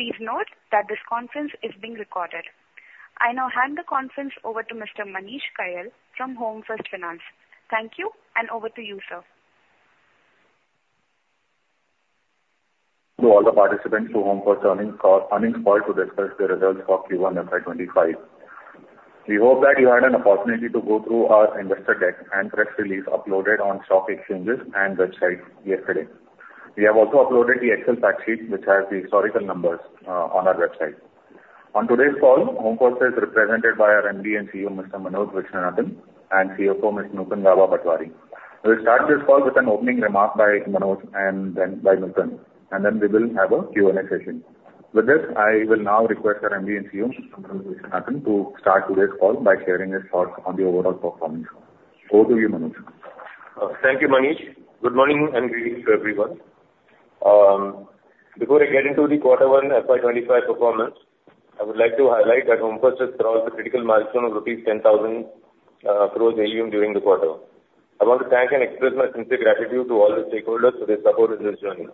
Please note that this conference is being recorded. I now hand the conference over to Mr. Manish Kayal from Home First Finance. Thank you, and over to you, sir To all the participants, to Home First earning call, earnings call to discuss the results for Q1 FY 2025. We hope that you had an opportunity to go through our investor deck and press release uploaded on stock exchanges and website yesterday. We have also uploaded the Excel fact sheet, which has the historical numbers, on our website. On today's call, Home First is represented by our MD and CEO, Mr. Manoj Viswanathan, and CFO, Ms. Nutan Gaba Patwari. We'll start this call with an opening remark by Manoj and then by Nutan, and then we will have a Q&A session. With this, I will now request our MD and CEO, Mr. Manoj Viswanathan, to start today's call by sharing his thoughts on the overall performance. Over to you, Manoj. Thank you, Manish. Good morning and greetings to everyone. Before I get into the quarter one FY 2025 performance, I would like to highlight that Home First has crossed the critical milestone of rupees 10,000 crores AUM during the quarter. I want to thank and express my sincere gratitude to all the stakeholders for their support in this journey.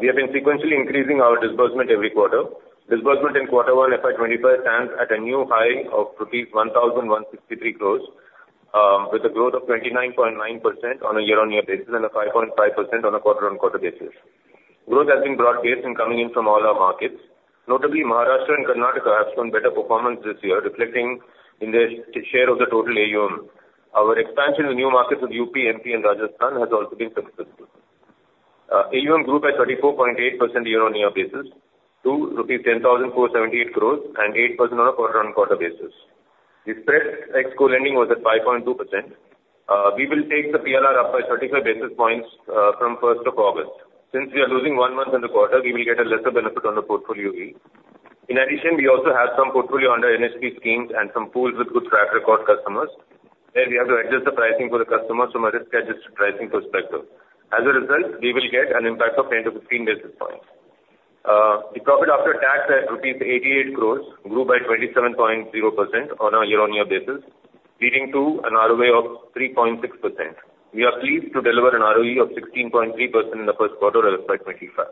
We have been sequentially increasing our disbursement every quarter. Disbursement in quarter one FY 2025 stands at a new high of 1,163 crores, with a growth of 29.9% on a year-on-year basis and a 5.5% on a quarter-on-quarter basis. Growth has been broad-based and coming in from all our markets. Notably, Maharashtra and Karnataka have shown better performance this year, reflecting in their share of the total AUM. Our expansion in new markets with UP, MP and Rajasthan has also been successful. AUM grew by 34.8% year-on-year to rupees 10,478 crores and 8% on a quarter-on-quarter basis. The spread ex-co-lending was at 5.2%. We will take the PLR up by 35 basis points from first of August. Since we are losing one month in the quarter, we will get a lesser benefit on the portfolio yield. In addition, we also have some portfolio under NHB schemes and some pools with good track record customers, where we have to adjust the pricing for the customer from a risk-adjusted pricing perspective. As a result, we will get an impact of 10-15 basis points. The profit after tax at rupees 88 crores grew by 27.0% on a year-on-year basis, leading to an ROE of 3.6%. We are pleased to deliver an ROE of 16.3% in the first quarter of FY 2025.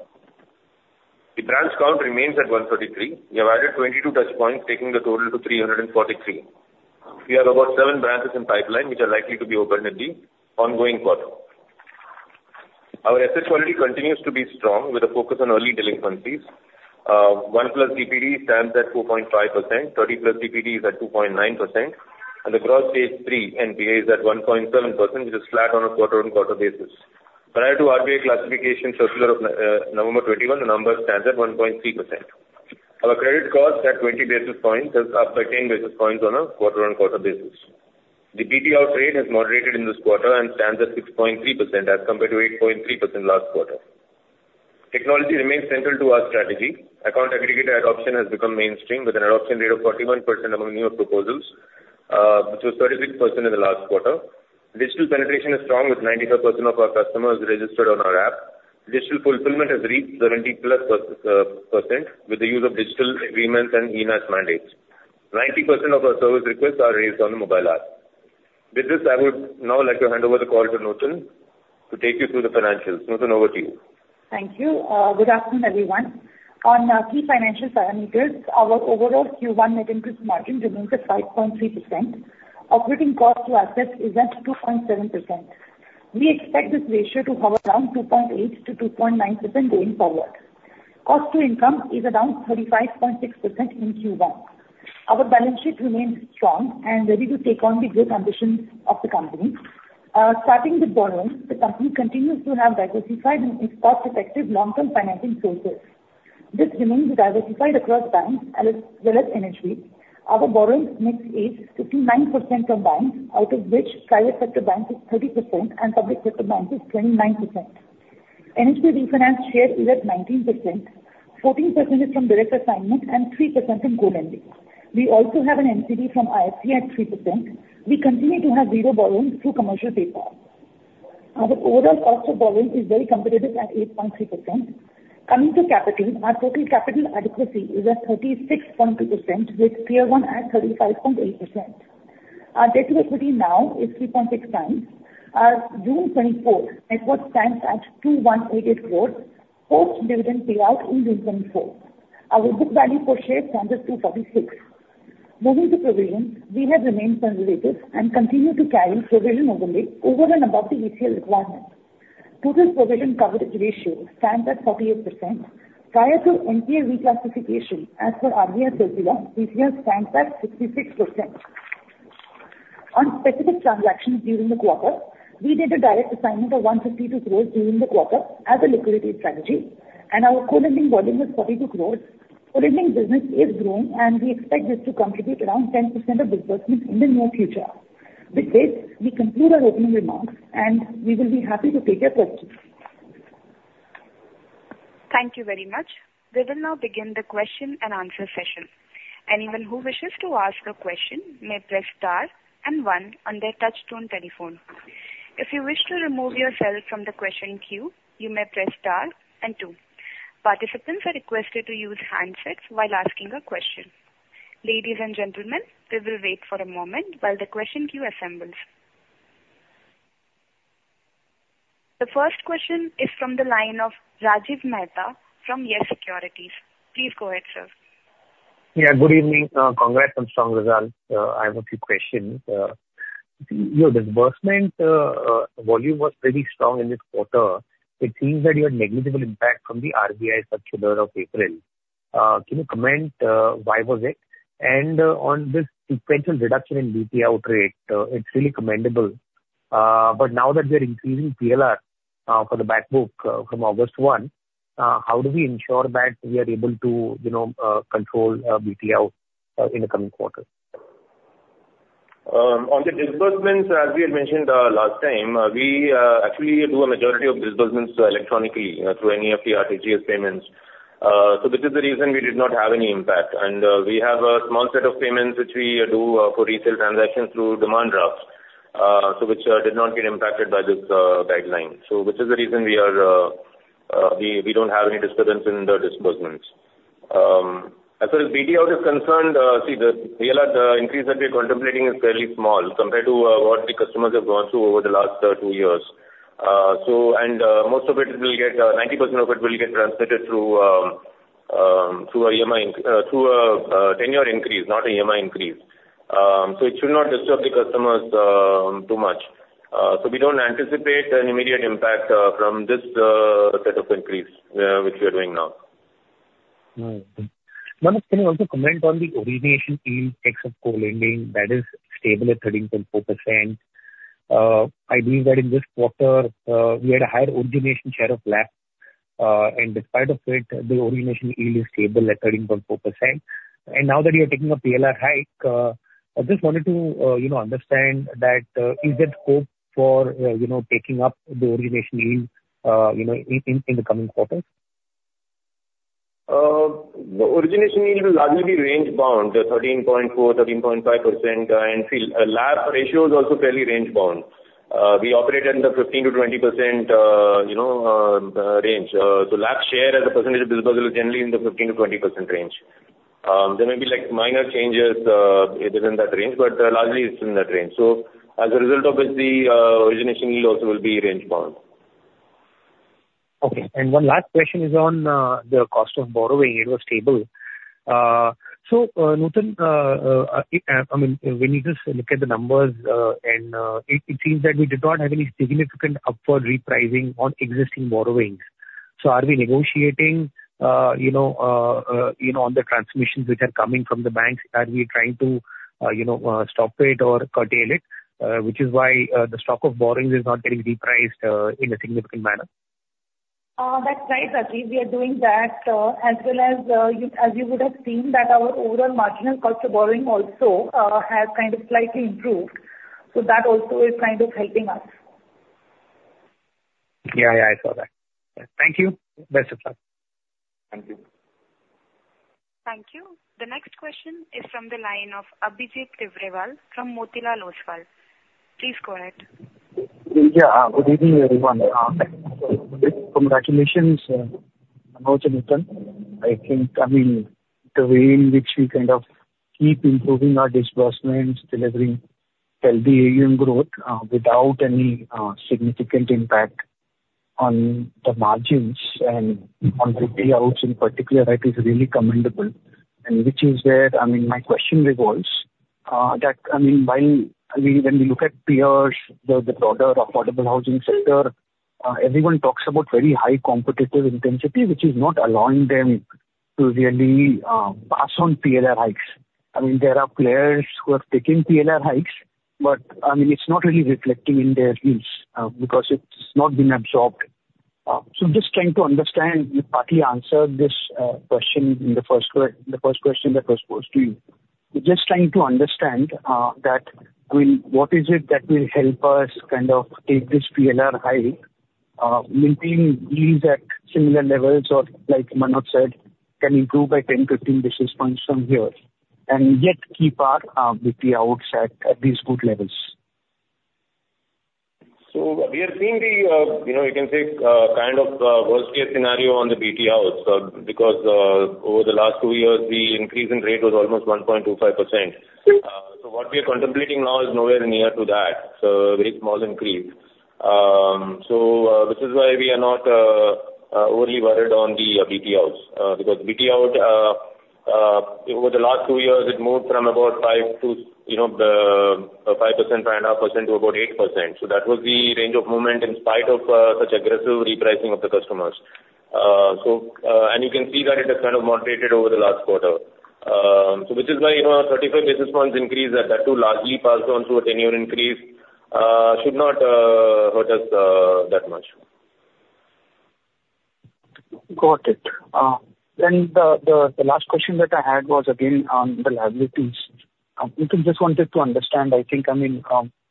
The branch count remains at 133. We have added 22 touchpoints, taking the total to 343. We have about seven branches in pipeline, which are likely to be opened in the ongoing quarter. Our asset quality continues to be strong, with a focus on early delinquencies. 1+ DPD stands at 2.5%, 30+ DPD is at 2.9%, and the Gross Stage 3 NPA is at 1.7%, which is flat on a quarter-on-quarter basis. Prior to RBI classification circular of November 2021, the number stands at 1.3%. Our credit cost at 20 basis points is up by 10 basis points on a quarter-on-quarter basis. The BT out rate has moderated in this quarter and stands at 6.3% as compared to 8.3% last quarter. Technology remains central to our strategy. Account Aggregator adoption has become mainstream, with an adoption rate of 41% among new proposals, which was 36% in the last quarter. Digital penetration is strong, with 95% of our customers registered on our app. Digital fulfillment has reached 70+%, with the use of digital agreements and e-NACH mandates. 90% of our service requests are raised on the mobile app. With this, I would now like to hand over the call to Nutan to take you through the financials. Nutan, over to you. Thank you. Good afternoon, everyone. On key financial parameters, our overall Q1 net interest margin remains at 5.3%. Operating cost to assets is at 2.7%. We expect this ratio to hover around 2.8%-2.9% going forward. Cost to income is around 35.6% in Q1. Our balance sheet remains strong and ready to take on the growth ambitions of the company. Starting with borrowing, the company continues to have diversified and cost-effective long-term financing sources. This remains diversified across banks as well as NHB. Our borrowings mix is 59% from banks, out of which private sector banks is 30% and public sector banks is 29%. NHB refinance share is at 19%, 14% is from direct assignments and 3% from co-lending. We also have an NCD from IFC at 3%. We continue to have zero borrowings through commercial paper. Our overall cost of borrowing is very competitive at 8.3%. Coming to capital, our total capital adequacy is at 36.2%, with Tier 1 at 35.8%. Our debt to equity now is 3.6 times. As of June 24th, net worth stands at 2,188 crores, post dividend payout in June 2024. Our book value per share stands at 246. Moving to provisions, we have remained conservative and continue to carry provision overlay over and above the ECL requirements. Total provision coverage ratio stands at 48%. Prior to NPA reclassification, as per RBI circular, PCR stands at 66%. On specific transactions during the quarter, we did a direct assignment of 152 crore during the quarter as a liquidity strategy, and our co-lending volume was 42 crore. Co-lending business is growing, and we expect this to contribute around 10% of disbursements in the near future. With this, we conclude our opening remarks, and we will be happy to take your questions. Thank you very much. We will now begin the question and answer session. Anyone who wishes to ask a question may press star and one on their touchtone telephone. If you wish to remove yourself from the question queue, you may press star and two. Participants are requested to use handsets while asking a question. Ladies and gentlemen, we will wait for a moment while the question queue assembles. The first question is from the line of Rajiv Mehta from YES SECURITIES. Please go ahead, sir. Yeah, good evening. Congrats on strong results. I have a few questions. Your disbursement volume was pretty strong in this quarter. It seems that you had negligible impact from the RBI circular of April. Can you comment why was it? And on this sequential reduction in BT out rate, it's really commendable. But now that we are increasing PLR for the back book from August 1, how do we ensure that we are able to, you know, control BT out in the coming quarters? On the disbursements, as we had mentioned last time, we actually do a majority of disbursements electronically through NEFT RTGS payments. So this is the reason we did not have any impact. And we have a small set of payments which we do for retail transactions through demand drafts, so which did not get impacted by this guideline. So which is the reason we are, we don't have any disturbance in the disbursements. As far as BT out is concerned, see, the PLR, the increase that we're contemplating is fairly small compared to what the customers have gone through over the last two years. So, 90% of it will get transmitted through a tenure increase, not a EMI increase. So it should not disturb the customers too much. So we don't anticipate an immediate impact from this set of increase which we are doing now. Mm-hmm. Manoj, can you also comment on the origination yield except co-lending that is stable at 13.4%? I believe that in this quarter, we had a higher origination share of LAP, and despite of it, the origination yield is stable at 13.4%. And now that you are taking a PLR hike, I just wanted to, you know, understand that, is there hope for, you know, taking up the origination yield, you know, in, in, in the coming quarters? The origination yield will largely be range bound, 13.4%-13.5%. And still, LAP ratio is also fairly range bound. We operate in the 15%-20% range. So LAP share as a percentage of disbursement is generally in the 15%-20% range. There may be, like, minor changes within that range, but largely it's in that range. So as a result of it, the origination yield also will be range bound. Okay. One last question is on the cost of borrowing. It was stable. So, Nutan, I mean, when you just look at the numbers, and it seems that we did not have any significant upward repricing on existing borrowings. So are we negotiating, you know, on the transmissions which are coming from the banks? Are we trying to, you know, stop it or curtail it, which is why the stock of borrowings is not getting repriced in a significant manner? That's right, Rajiv. We are doing that, as well as you, as you would have seen, that our overall marginal cost of borrowing also has kind of slightly improved. So that also is kind of helping us. Yeah. Yeah, I saw that. Thank you. Best of luck. Thank you. Thank you. The next question is from the line of Abhijit Tibrewal from Motilal Oswal. Please go ahead. Yeah. Good evening, everyone. Congratulations, Manoj and Nutan. I think, I mean, the way in which we kind of keep improving our disbursements, delivering healthy AUM growth, without any significant impact on the margins and on the BT outs in particular, that is really commendable. And which is where, I mean, my question revolves, that, I mean, while we, when we look at peers, the broader affordable housing sector, everyone talks about very high competitive intensity, which is not allowing them to really pass on PLR hikes. I mean, there are players who are taking PLR hikes, but, I mean, it's not really reflecting in their yields, because it's not been absorbed. So just trying to understand, you partly answered this question in the first question that was posed to you. Just trying to understand, what is it that will help us kind of take this PLR hike, maintain yields at similar levels, or like Manoj said, can improve by 10, 15 basis points from here, and yet keep our BT outs at these good levels? So we are seeing the, you know, you can say, kind of, worst-case scenario on the BT outs, because, over the last two years, the increase in rate was almost 1.25%. So what we are contemplating now is nowhere near to that, so very small increase. So, this is why we are not, overly worried on the, BT outs. Because BT out, over the last two years, it moved from about 5% to, you know, 5.5% to about 8%. So that was the range of movement in spite of, such aggressive repricing of the customers. So, and you can see that it has kind of moderated over the last quarter. So which is why, you know, a 35 basis points increase that are too largely passed on through a tenure increase should not hurt us that much. Got it. Then the last question that I had was again on the liabilities. Nutan, just wanted to understand, I think, I mean,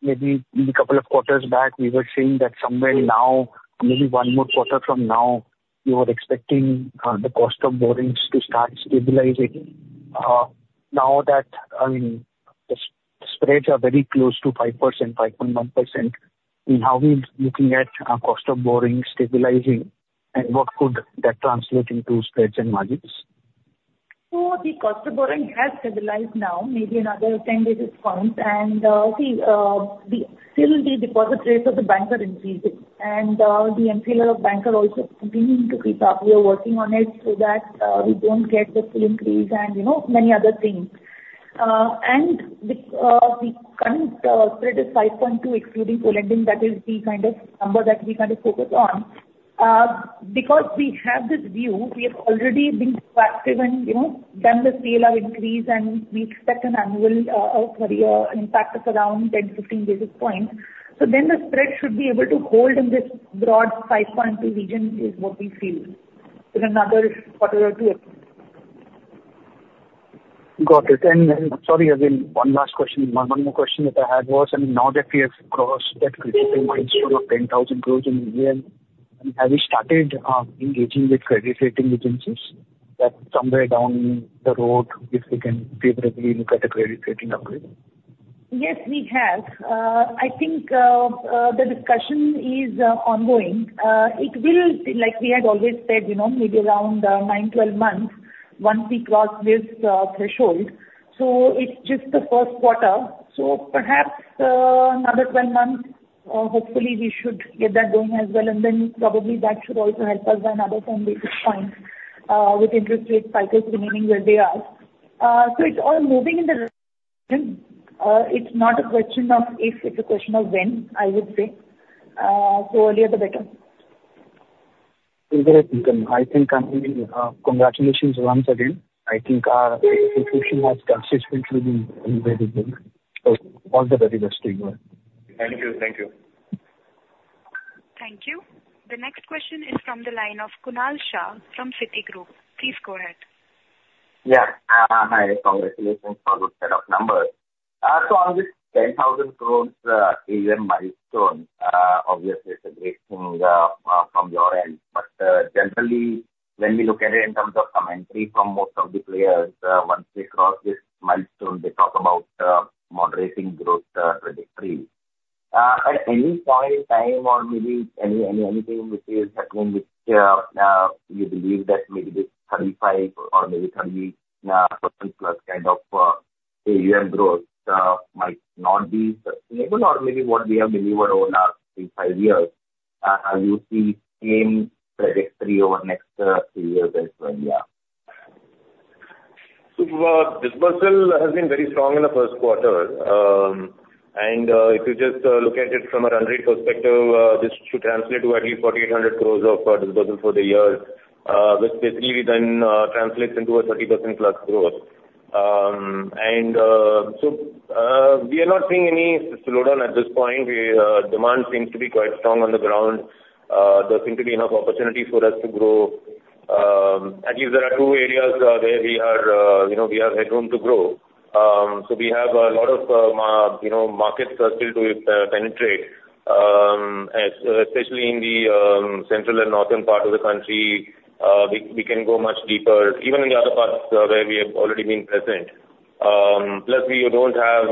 maybe couple of quarters back, we were saying that somewhere now, maybe one more quarter from now, you were expecting the cost of borrowings to start stabilizing. Now that, I mean, the spreads are very close to 5%, 5.1%, I mean, how are we looking at cost of borrowing stabilizing, and what could that translate into spreads and margins? So the cost of borrowing has stabilized now, maybe another 10 basis points. And still the deposit rates of the bank are increasing, and the MCLR of bank are also continuing to creep up. We are working on it so that we don't get the full increase and, you know, many other things. And the current spread is 5.2, excluding co-lending. That is the kind of number that we kind of focus on. Because we have this view, we have already been proactive and, you know, done the scale of increase, and we expect an annual, or sorry, impact of around 10-15 basis points. So then the spread should be able to hold in this broad 5.2 region, is what we feel in another quarter or two. Got it. And sorry, again, one last question. One more question that I had was, and now that we have crossed that critical milestone of 10,000 crore in the year, have we started engaging with credit rating agencies, that somewhere down the road, if we can favorably look at a credit rating upgrade? Yes, we have. I think the discussion is ongoing. It will, like we had always said, you know, maybe around 9, 12 months once we cross this threshold. So it's just the first quarter. So perhaps another 12 months, hopefully we should get that going as well, and then probably that should also help us by another 10 basis points, with interest rate cycles remaining where they are. So it's all moving in the right direction. It's not a question of if, it's a question of when, I would say. So earlier, the better. Great. I think, I mean, congratulations once again. I think our execution has consistently been very good. All the very best to you. Thank you. Thank you. Thank you. The next question is from the line of Kunal Shah from Citigroup. Please go ahead. Yeah. Hi. Congratulations on the set of numbers. So on this 10,000 crore AUM milestone, obviously it's a great thing from your end. But generally, when we look at it in terms of commentary from most of the players, once they cross this milestone, they talk about moderating growth trajectory. At any point in time or maybe any anything which is happening, which you believe that maybe this 35% or maybe 30% plus kind of AUM growth might not be sustainable? Or maybe what we have delivered over the last 3, 5 years, are you seeing same trajectory over the next 3 years as well? Yeah. Disbursal has been very strong in the first quarter. If you just look at it from a run rate perspective, this should translate to at least 4,800 crore of disbursal for the year, which basically then translates into a 30%+ growth. We are not seeing any slowdown at this point. Demand seems to be quite strong on the ground. There seem to be enough opportunity for us to grow. I guess there are two areas where we are, you know, we have headroom to grow. So we have a lot of, you know, markets still to penetrate, especially in the central and northern part of the country. We can go much deeper, even in the other parts where we have already been present. Plus, we don't have,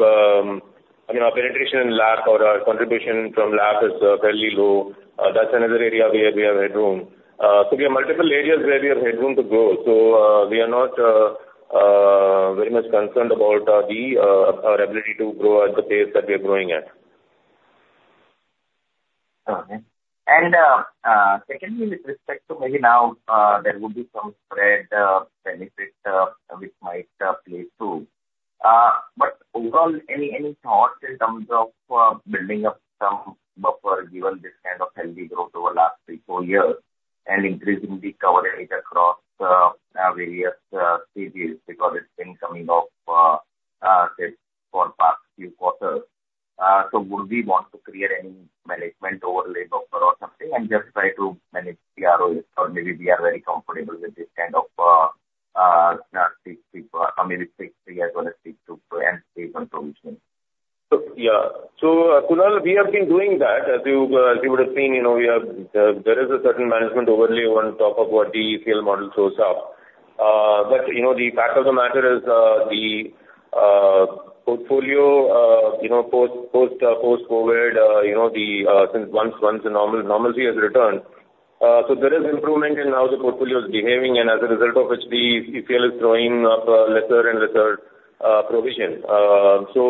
I mean, our penetration in LAP or our contribution from LAP is fairly low. That's another area where we have headroom. So we have multiple areas where we have headroom to grow. So, we are not very much concerned about our ability to grow at the pace that we are growing at. And, secondly, with respect to maybe now, there would be some spread benefit, which might play through. But overall, any thoughts in terms of building up some buffer, given this kind of healthy growth over the last three, four years and increasingly covering it across various stages? Because it's been coming off since for past few quarters. So would we want to create any management overlay buffer or something and just try to manage the ROA? Or maybe we are very comfortable with this kind of maybe six years or let's say two and stay on provision. So, yeah. So, Kunal, we have been doing that. As you would have seen, you know, we have, there is a certain management overlay on top of what the ECL model shows up. But, you know, the fact of the matter is, the portfolio, you know, post-COVID, you know, the since once the normalcy has returned, so there is improvement in how the portfolio is behaving, and as a result of which the ECL is throwing up, lesser and lesser, provision. So,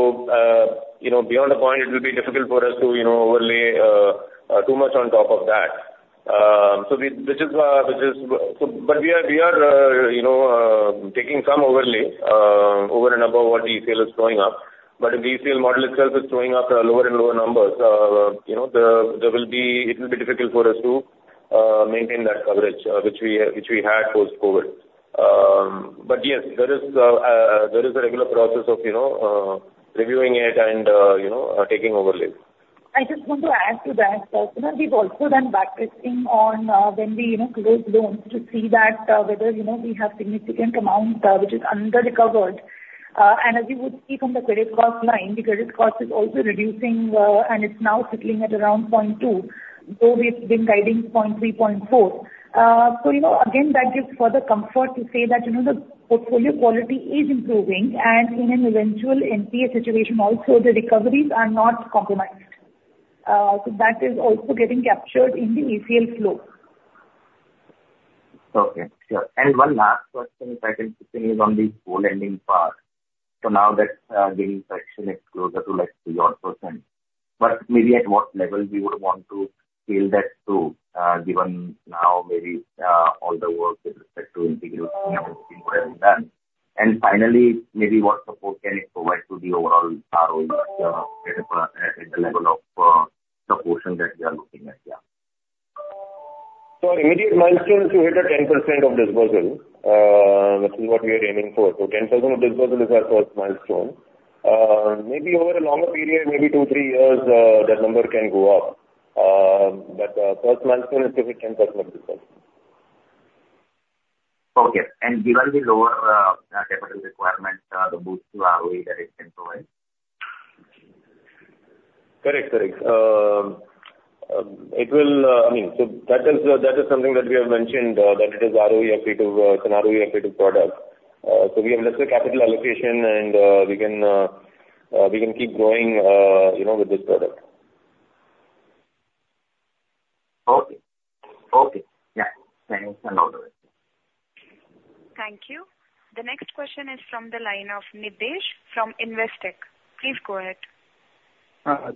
you know, beyond a point, it will be difficult for us to, you know, overlay, too much on top of that. So we- which is why, which is... So, but we are, you know, taking some overlay over and above what the ECL is throwing up. But if the ECL model itself is throwing up lower and lower numbers, you know, there will be. It will be difficult for us to maintain that coverage which we had post-COVID. But yes, there is a regular process of, you know, reviewing it and, you know, taking overlays. I just want to add to that. We've also done back testing on, when we, you know, close loans to see that, whether, you know, we have significant amount, which is under-recovered. And as you would see from the credit cost line, the credit cost is also reducing, and it's now settling at around 0.2%, though we've been guiding 0.3%-0.4%. So, you know, again, that gives further comfort to say that, you know, the portfolio quality is improving, and in an eventual NPA situation also, the recoveries are not compromised so that is also getting captured in the ECL flow. Okay, sure. One last question, if I can, is on the co-lending part. So now that the inflection is closer to like 2%, but maybe at what level you would want to scale that to, given now maybe all the work with respect to integration and whatever is done? Finally, maybe what support can it provide to the overall ROE, at the level of the portion that we are looking at? Yeah. So immediate milestone to hit 10% of disbursal, which is what we are aiming for. So 10% of disbursal is our first milestone. Maybe over a longer period, maybe 2, 3 years, that number can go up. But, first milestone is to hit 10% of disbursal. Okay. And given the lower capital requirement, the boost to ROE, that it can provide? Correct, correct. It will, I mean, so that is, that is something that we have mentioned, that it is ROE effective, it's an ROE effective product. So we have lesser capital allocation, and, we can, we can keep growing, you know, with this product. Okay. Okay, yeah. Thanks a lot. Thank you. The next question is from the line of Nidhesh from Investec. Please go ahead.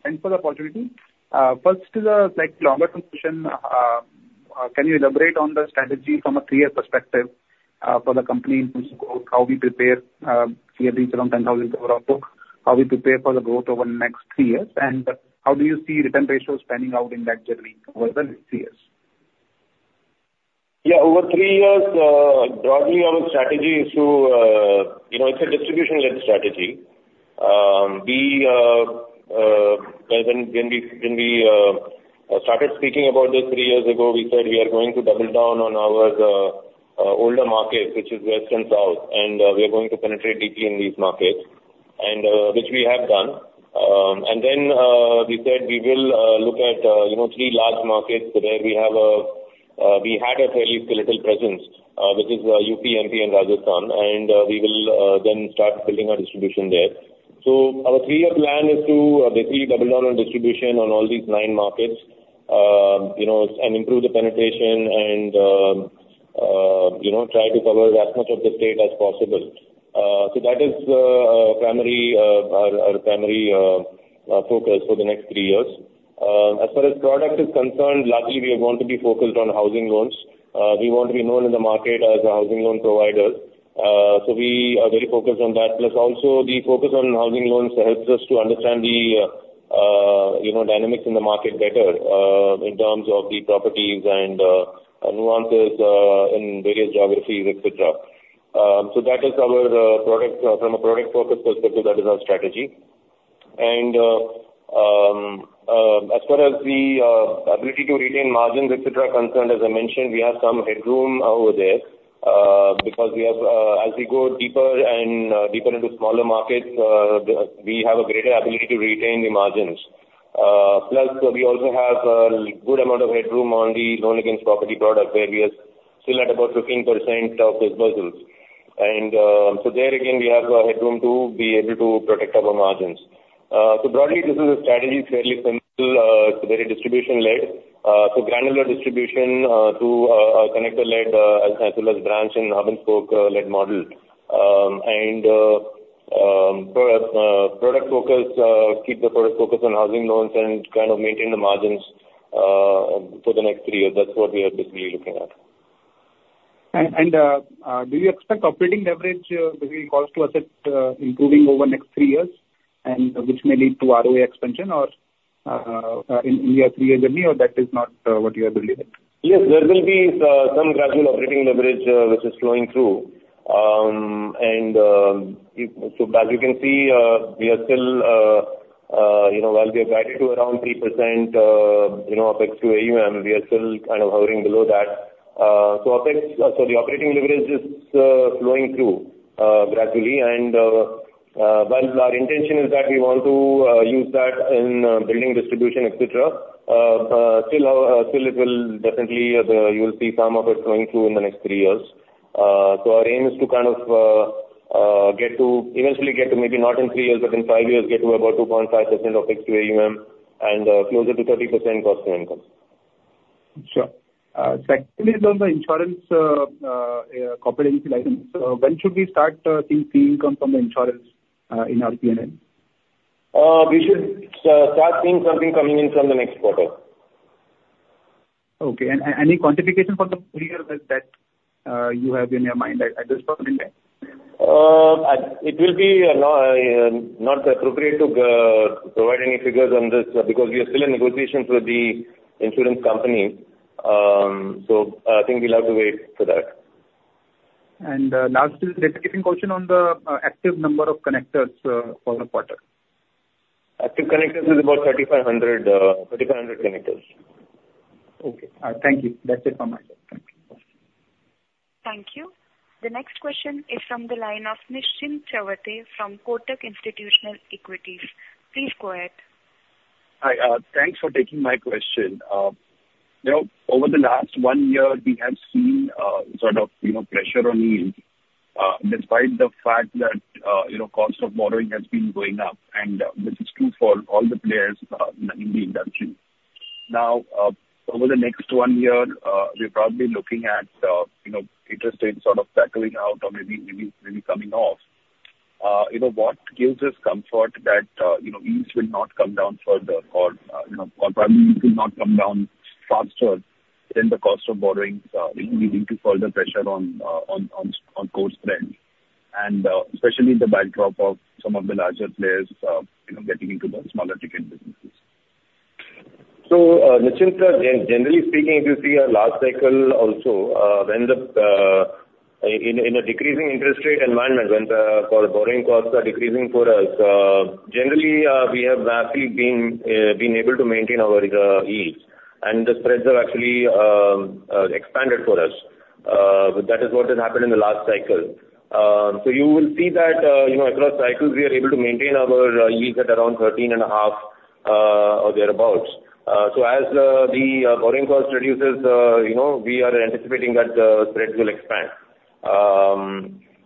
Thanks for the opportunity. First is a slightly longer term question. Can you elaborate on the strategy from a three-year perspective, for the company in terms of growth? How we prepare, we have reached around 10,000 overall book. How we prepare for the growth over the next three years, and how do you see return ratios panning out in that journey over the next three years? Yeah, over three years, broadly, our strategy is to, you know, it's a distribution-led strategy. When we started speaking about this three years ago, we said we are going to double down on our older markets, which is West and South, and we are going to penetrate deeply in these markets, and which we have done. And then, we said we will look at, you know, three large markets where we had a fairly skeletal presence, which is UP, MP, and Rajasthan. And we will then start building our distribution there. So our three-year plan is to basically double down on distribution on all these nine markets, you know, and improve the penetration and, you know, try to cover as much of the state as possible. So that is our primary focus for the next three years. As far as product is concerned, luckily, we are going to be focused on housing loans. We want to be known in the market as a housing loan provider. So we are very focused on that. Plus, also, the focus on housing loans helps us to understand the dynamics in the market better, in terms of the properties and nuances in various geographies, et cetera. So that is our product. From a product focus perspective, that is our strategy. As far as the ability to retain margins, et cetera, concerned, as I mentioned, we have some headroom over there, because we have, as we go deeper and deeper into smaller markets, we have a greater ability to retain the margins. Plus, we also have a good amount of headroom on the loan against property product, where we are still at about 15% of disbursements. And, so there again, we have headroom to be able to protect our margins. So broadly, this is a strategy, fairly simple. It's very distribution-led. So granular distribution, through our, our connector-led, as well as branch and hub-and-spoke led model. Product focus, keep the product focus on housing loans and kind of maintain the margins for the next three years. That's what we are basically looking at. Do you expect operating leverage between cost to asset improving over the next three years, and which may lead to ROA expansion or in your three-year journey, or that is not what you are believing? Yes, there will be some gradual operating leverage which is flowing through. And so as you can see, we are still you know, while we have guided to around 3%, you know, Opex to AUM, we are still kind of hovering below that. So Opex, so the operating leverage is flowing through gradually. And while our intention is that we want to use that in building distribution, et cetera, still it will definitely, you'll see some of it flowing through in the next three years. So our aim is to kind of, get to eventually get to, maybe not in three years, but in five years, get to about 2.5% of Opex to AUM and, closer to 30% cost to income. Sure. Secondly, on the insurance corporate license, when should we start seeing fee income from the insurance in our P&L? We should start seeing something coming in from the next quarter. Okay. And any quantification for the three years that you have in your mind? I just want it back. It will be not appropriate to provide any figures on this, because we are still in negotiations with the insurance company. So I think we'll have to wait for that. Last is a repetitive question on the active number of connectors for the quarter. Active connectors is about 3,500, 3,500 connectors. Okay. Thank you. That's it from my end. Thank you. Thank you. The next question is from the line of Nischint Chawathe from Kotak Institutional Equities. Please go ahead. Hi, thanks for taking my question. You know, over the last one year, we have seen, sort of, you know, pressure on yields, despite the fact that, you know, cost of borrowing has been going up, and this is true for all the players, in the industry. Now, over the next one year, we're probably looking at, you know, interest rates sort of settling out or maybe coming off. You know, what gives us comfort that, you know, yields will not come down further or, you know, or probably will not come down faster than the cost of borrowings, leading to further pressure on, on core spread, and, especially in the backdrop of some of the larger players, you know, getting into the smaller ticket businesses? So, Nischint, generally speaking, if you see our last cycle also, when the, in a decreasing interest rate environment, when the, for borrowing costs are decreasing for us, generally, we have actually been able to maintain our yields, and the spreads have actually expanded for us. That is what has happened in the last cycle. So you will see that, you know, across cycles, we are able to maintain our yields at around 13.5, or thereabout. So as the borrowing cost reduces, you know, we are anticipating that spreads will expand.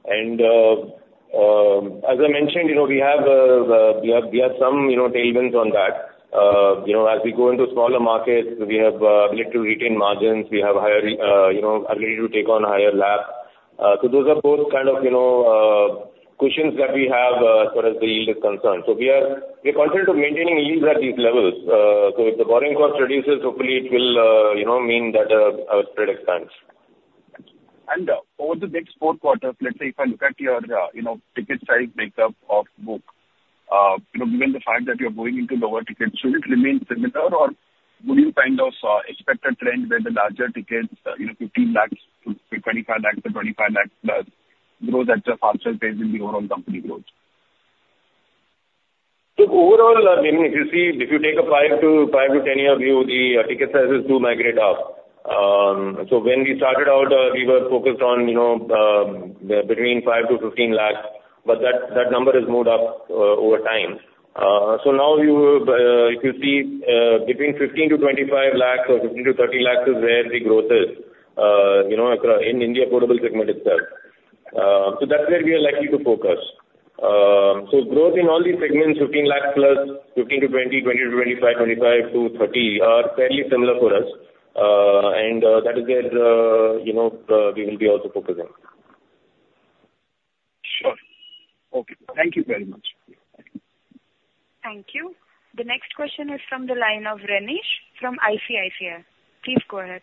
And as I mentioned, you know, we have some, you know, tailwinds on that. You know, as we go into smaller markets, we have ability to retain margins, we have higher, you know, ability to take on higher LAPs. So those are both kind of, you know, cushions that we have, as far as the yield is concerned. So we are confident of maintaining yields at these levels. So if the borrowing cost reduces, hopefully it will, you know, mean that, our spread expands. Over the next four quarters, let's say if I look at your, you know, ticket size makeup of book, you know, given the fact that you're going into lower tickets, should it remain similar? Or would you kind of, expect a trend where the larger tickets, you know, 15-25 lakhs or 25 lakhs plus, grow at a faster pace than the overall company growth? So overall, I mean, if you see, if you take a 5-10-year view, the ticket sizes do migrate up. So when we started out, we were focused on, you know, between 5-15 lakhs, but that number has moved up over time. So now, if you see, between 15-25 lakhs or 15-30 lakhs is where the growth is, you know, across the affordable segment itself. So that's where we are likely to focus. So growth in all the segments, 15 lakhs+, 15-20, 20-25, 25-30, are fairly similar for us. And that is where, you know, we will be also focusing. Sure. Okay. Thank you very much. Thank you. The next question is from the line of Renish from ICICI. Please go ahead.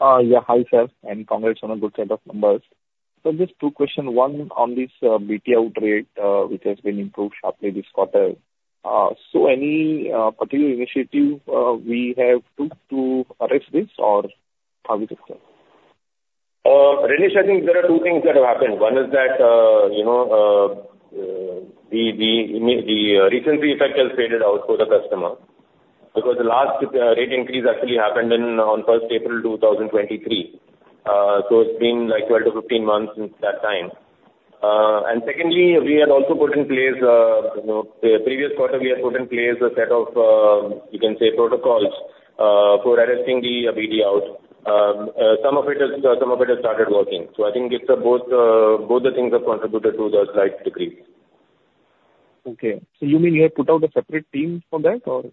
Yeah, hi, sir, and congrats on a good set of numbers. So just two question: one, on this, BT out rate, which has been improved sharply this quarter. So any particular initiative we have took to arrest this or how is it, sir? Renish, I think there are two things that have happened. One is that, you know, the recency effect has faded out for the customer. Because the last rate increase actually happened in, on 1 April 2023. So it's been, like, 12 to 15 months since that time. And secondly, we have also put in place, you know, the previous quarter, we have put in place a set of, you can say, protocols, for arresting the BT out. Some of it has, some of it has started working. So I think it's a both, both the things have contributed to the slight decrease. Okay. So you mean you have put out a separate team for that or?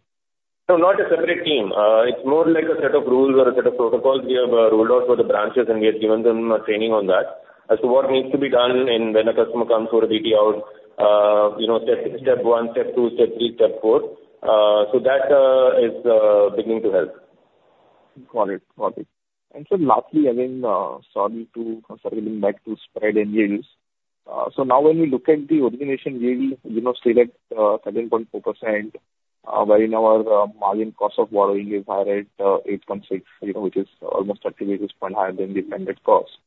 No, not a separate team. It's more like a set of rules or a set of protocols we have rolled out for the branches, and we have given them a training on that. As to what needs to be done and when a customer comes for a BT out, you know, step one, step two, step three, step four. So that is beginning to help. Got it. Got it. And sir, lastly, again, sorry to circling back to spread and yields. So now when we look at the origination yield, you know, stay at 13.4%, wherein our margin cost of borrowing is higher at 8.6, you know, which is almost 30 basis points higher than the funded cost.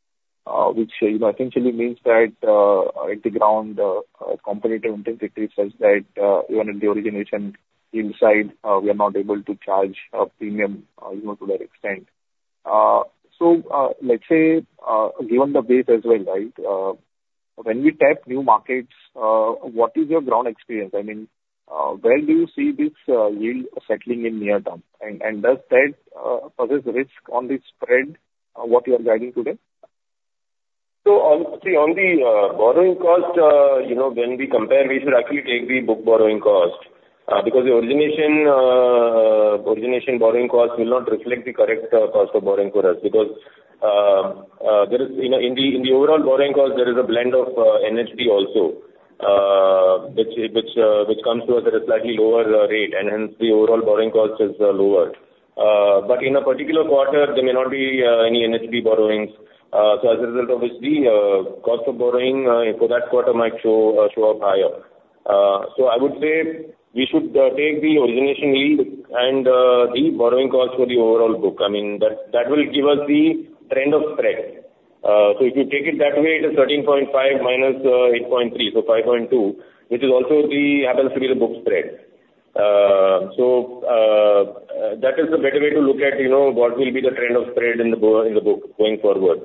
Which, you know, essentially means that at the ground, competitive intensity such that even in the origination inside, we are not able to charge a premium, you know, to that extent. So, let's say, given the base as well, right, when we tap new markets, what is your ground experience? I mean, where do you see this yield settling in near term? And does that pose risk on the spread, what you are guiding today? So, on the borrowing cost, you know, when we compare, we should actually take the book borrowing cost, because the origination origination borrowing cost will not reflect the correct cost of borrowing for us. Because there is, you know, in the overall borrowing cost, there is a blend of NHB also, which, which, which comes to us at a slightly lower rate, and hence the overall borrowing cost is lower. But in a particular quarter, there may not be any NHB borrowings. So as a result of which, the cost of borrowing for that quarter might show, show up higher. So I would say we should take the origination yield and the borrowing cost for the overall book. I mean, that, that will give us the trend of spread. So if you take it that way, it is 13.5 minus 8.3, so 5.2, which is also the, happens to be the book spread. So that is a better way to look at, you know, what will be the trend of spread in the book going forward.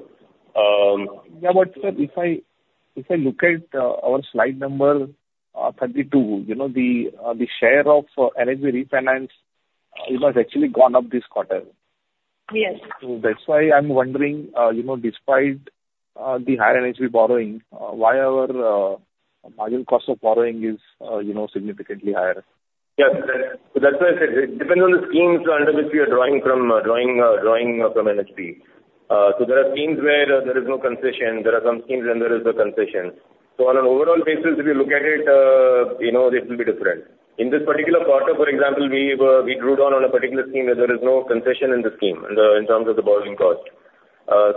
Yeah, but sir, if I look at our slide number 32, you know, the share of NHB refinance, it has actually gone up this quarter. Yes. So that's why I'm wondering, you know, despite the higher NHB borrowing, why our marginal cost of borrowing is, you know, significantly higher? Yes, so that's why I said it depends on the schemes under which we are drawing from, drawing from NHB. So there are schemes where there is no concession, there are some schemes where there is a concession. So on an overall basis, if you look at it, you know, it will be different. In this particular quarter, for example, we drew down on a particular scheme that there is no concession in the scheme, in the, in terms of the borrowing cost.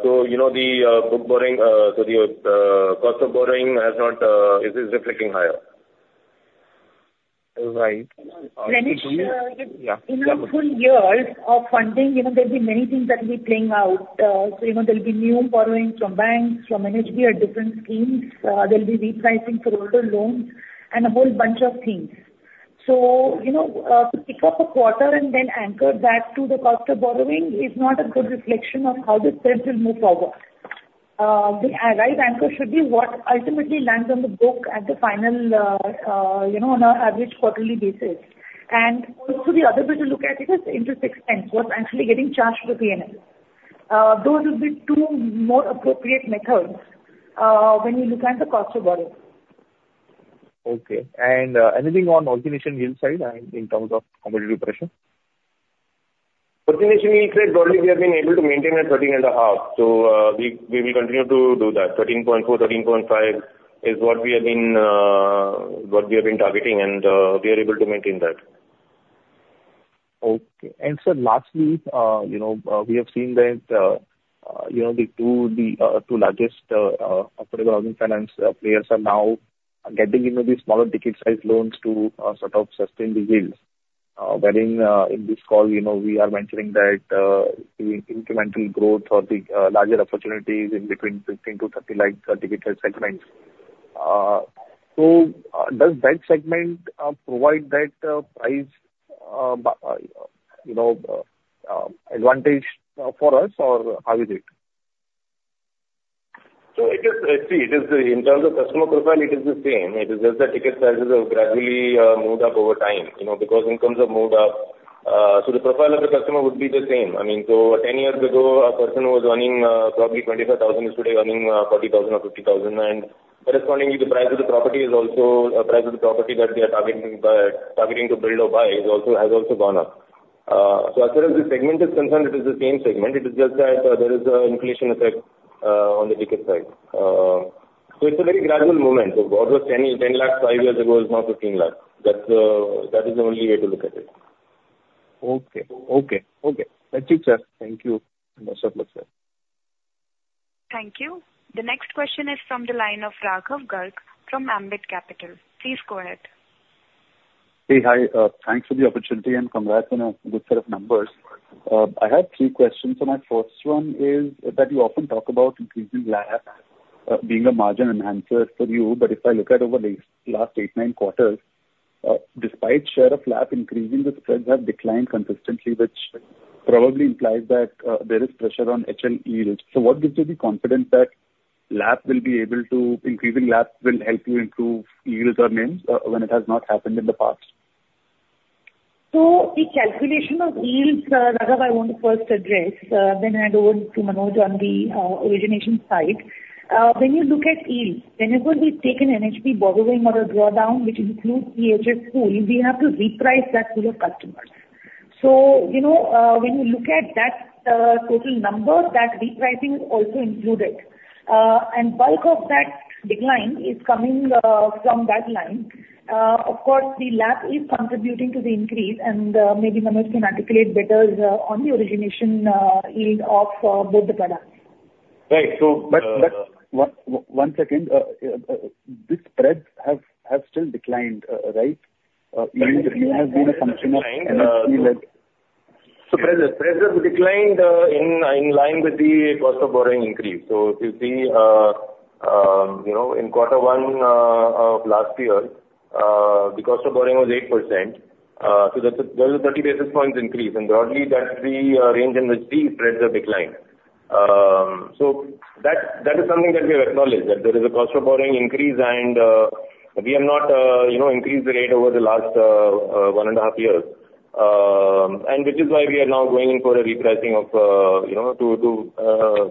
So, you know, the book borrowing, so the cost of borrowing has not, it is reflecting higher. Right. Uh- And it Yeah. In a full year of funding, you know, there'll be many things that will be playing out. So, you know, there'll be new borrowings from banks, from NHB at different schemes. There'll be repricing for older loans and a whole bunch of things. So, you know, to pick up a quarter and then anchor that to the cost of borrowing is not a good reflection of how the spread will move forward. The right anchor should be what ultimately lands on the book at the final, you know, on an average quarterly basis. And also the other way to look at it is interest expense, what's actually getting charged to the P&L. Those will be two more appropriate methods when you look at the cost of borrowing. Okay. And, anything on origination yield side and in terms of competitive pressure? Origination yield side, broadly, we have been able to maintain at 13.5. So, we will continue to do that. 13.4, 13.5 is what we have been targeting, and we are able to maintain that. Okay. And sir, lastly, you know, we have seen that, you know, the two largest affordable housing finance players are now getting into the smaller ticket size loans to sort of sustain the yields. Wherein, in this call, you know, we are mentioning that the incremental growth or the larger opportunities in between 15-30 lakh ticket size segments. So, does that segment provide that price advantage for us, or how is it? So it is, see, it is in terms of customer profile, it is the same. It is just the ticket sizes have gradually moved up over time, you know, because incomes have moved up. So the profile of the customer would be the same. I mean, so 10 years ago, a person who was earning probably 25,000 is today earning 40,000 or 50,000. And correspondingly, the price of the property is also, price of the property that they are targeting to build or buy is also, has also gone up. So as far as the segment is concerned, it is the same segment. It is just that there is an inflation effect on the ticket size. So it's a very gradual movement. So what was 10 lakhs 5 years ago is now 15 lakhs. That's, that is the only way to look at it. Okay. Okay. Okay. That's it, sir. Thank you. Much obliged, sir. Thank you. The next question is from the line of Raghav Garg from Ambit Capital. Please go ahead. Hey, hi, thanks for the opportunity and congrats on a good set of numbers. I have three questions, so my first one is that you often talk about increasing LAP, being a margin enhancer for you. But if I look at over the last eight, nine quarters, despite share of LAP increasing, the spreads have declined consistently, which probably implies that, there is pressure on HL yields. So what gives you the confidence that LAP will be able to... increasing LAP will help you improve yields or NIMs, when it has not happened in the past? So the calculation of yields, Raghav, I want to first address, then hand over to Manoj on the origination side. When you look at yields, whenever we take an NHB borrowing or a drawdown, which includes PSL too, we have to reprice that to the customers. So, you know, when you look at that total number, that repricing also included. And bulk of that decline is coming from that line. Of course, the LAP is contributing to the increase, and maybe Manoj can articulate better on the origination yield of both the products. Right. So, But one second. This spreads have still declined, right? Yield has been a function of- So spreads, spreads have declined in line with the cost of borrowing increase. So you see, you know, in quarter one of last year, the cost of borrowing was 8%. So that's a, that is a 30 basis points increase, and broadly, that's the range in which the spreads have declined. So that is something that we have acknowledged, that there is a cost of borrowing increase and, we have not, you know, increased the rate over the last one and a half years. And which is why we are now going in for a repricing of, you know, to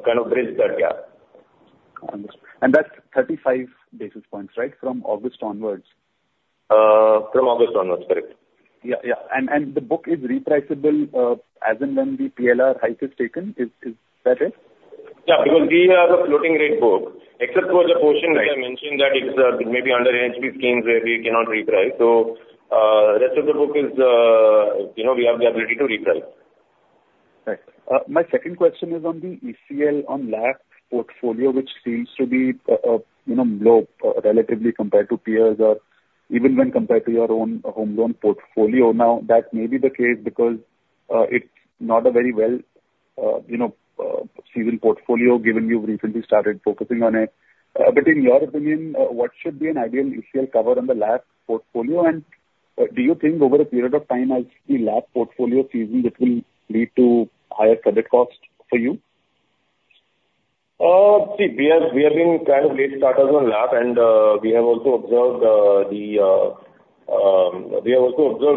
kind of bridge that gap. Understood. That's 35 basis points, right? From August onwards. From August onwards, correct. Yeah, yeah. And, and the book is repriceable, as and when the PLR hike is taken. Is, is that it? Yeah, because we have a floating rate book, except for the portion- Right... which I mentioned, that it's maybe under NHB schemes where we cannot reprice. So, rest of the book is, you know, we have the ability to reprice. Right. My second question is on the ECL on LAP portfolio, which seems to be, you know, low, relatively compared to peers or even when compared to your own home loan portfolio. Now, that may be the case because, it's not a very well, you know, seasoned portfolio, given you've recently started focusing on it. But in your opinion, what should be an ideal ECL cover on the LAP portfolio? And do you think over a period of time, as the LAP portfolio seasons, it will lead to higher credit cost for you? See, we have been kind of late starters on LAP, and we have also observed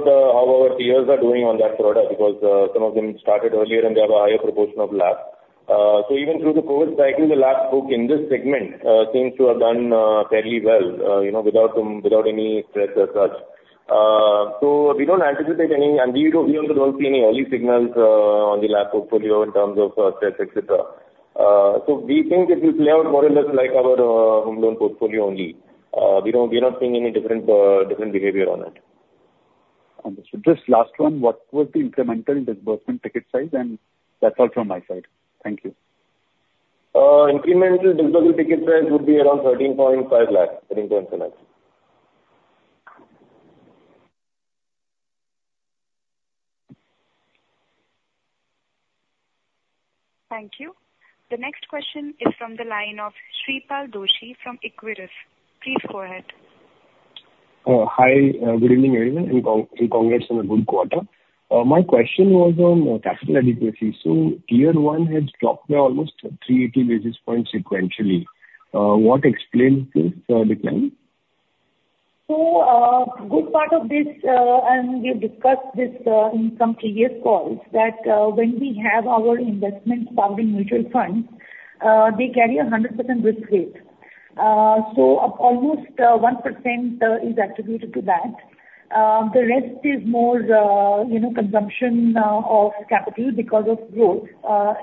how our peers are doing on that product because some of them started earlier and they have a higher proportion of LAP. So even through the COVID cycle, the LAP book in this segment seems to have done fairly well, you know, without any stress as such. So we don't anticipate any, and we also don't see any early signals on the LAP portfolio in terms of stress, et cetera. So we think it will play out more or less like our home loan portfolio only. We don't, we're not seeing any different, different behavior on it. Understood. Just last one, what was the incremental disbursement ticket size? And that's all from my side. Thank you. Incremental disbursement ticket size would be around 13.5 lakh, 13.5. Thank you. The next question is from the line of Shreepal Doshi from Equirus. Please go ahead. Hi, good evening, everyone, and congrats on a good quarter. My question was on capital adequacy. So Tier 1 has dropped by almost 38 basis points sequentially. What explains this decline? So, good part of this, and we've discussed this, in some previous calls, that, when we have our investments powering mutual funds, they carry a 100% risk weight. So of almost, 1%, is attributed to that. The rest is more, you know, consumption, of capital because of growth,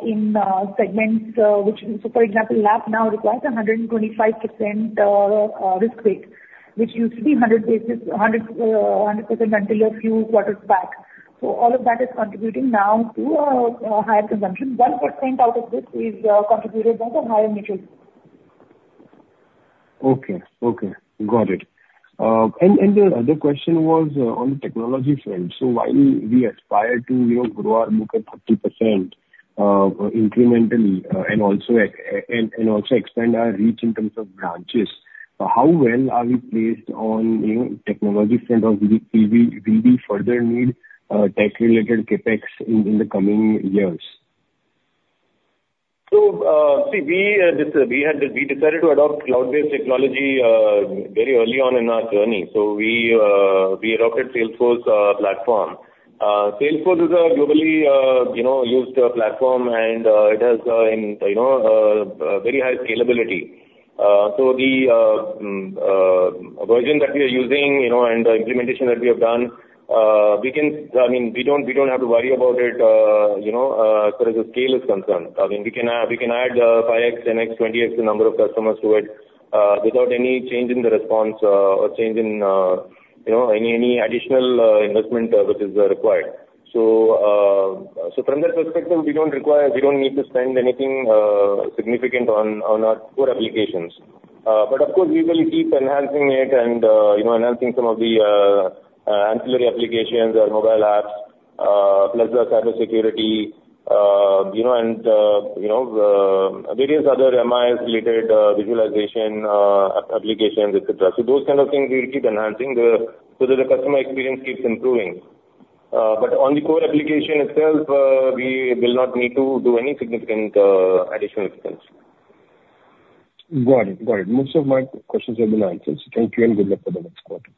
in, segments, which, so for example, LAP now requires a 125%, risk weight, which used to be 100 basis, 100, 100% until a few quarters back. So all of that is contributing now to a, a higher consumption. 1% out of this is, contributed by the higher mutual. Okay. Okay, got it. And the other question was on the technology front. So while we aspire to, you know, grow our book at 30% incrementally, and also expand our reach in terms of branches, how well are we placed on, you know, technology front or will we further need tech-related CapEx in the coming years? So, we decided to adopt cloud-based technology very early on in our journey. So we adopted Salesforce platform. Salesforce is a globally, you know, used platform, and it has you know very high scalability. So the version that we are using, you know, and the implementation that we have done, we can, I mean, we don't have to worry about it, you know, as far as the scale is concerned. I mean, we can add 5x, 10x, 20x the number of customers to it without any change in the response or change in you know any additional investment which is required. So, from that perspective, we don't require, we don't need to spend anything significant on our core applications. But of course, we will keep enhancing it and, you know, enhancing some of the ancillary applications, our mobile apps, plus the cybersecurity, you know, and you know, various other MIs related visualization applications, et cetera. So those kind of things we will keep enhancing, so that the customer experience keeps improving. But on the core application itself, we will not need to do any significant additional expense. Got it. Got it. Most of my questions have been answered. Thank you and good luck for the next quarter.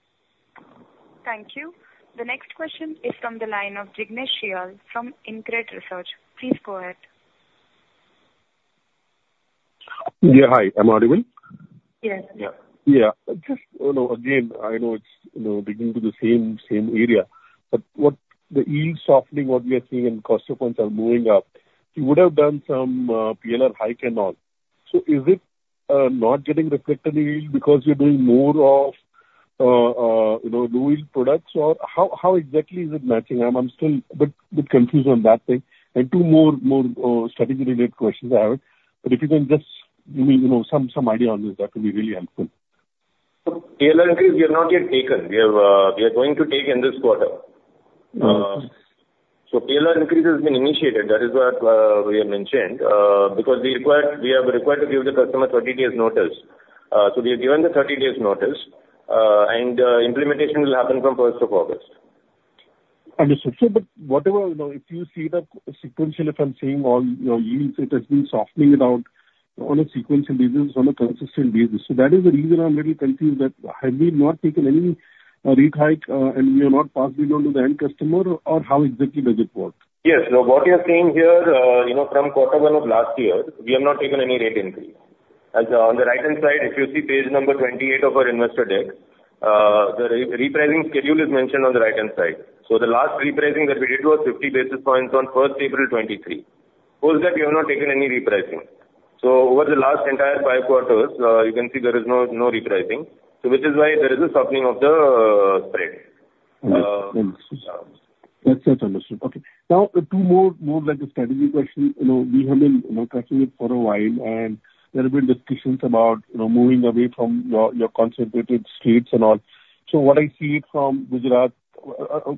Thank you. The next question is from the line of Jignesh Shial from InCred Equities. Please go ahead. Yeah, hi, am I audible? Yes. Yeah. Yeah, just, you know, again, I know it's, you know, digging to the same, same area, but what the yield softening what we are seeing and cost of funds are going up, you would have done some PLR hike and all. So is it not getting reflected in yield because you're doing more of, you know, low-yield products? Or how, how exactly is it matching? I'm, I'm still a bit, bit confused on that thing. And two more, more strategy-related questions I have, but if you can just give me, you know, some, some idea on this, that will be really helpful. PLR increase, we have not yet taken. We have, we are going to take in this quarter. Mm-hmm. So PLR increase has been initiated. That is what we have mentioned because we require, we are required to give the customer 30-days' notice. So we have given the 30-days' notice, and implementation will happen from first of August. Understood. So but whatever, you know, if you see that sequentially from seeing all your yields, it has been softening it out on a sequential basis, on a consistent basis. So that is the reason I'm little confused that have we not taken any rate hike, and we have not passed it on to the end customer, or how exactly does it work? Yes. So what you're saying here, you know, from quarter one of last year, we have not taken any rate increase. As on the right-hand side, if you see page number 28 of our investor deck, the repricing schedule is mentioned on the right-hand side. So the last repricing that we did was 50 basis points on 1st April 2023. Post that, we have not taken any repricing. So over the last entire 5 quarters, you can see there is no, no repricing, so which is why there is a softening of the spread. That's understood. Okay. Now, two more like a strategy question. You know, we have been, you know, tracking it for a while, and there have been discussions about, you know, moving away from your concentrated states and all. So what I see from Gujarat,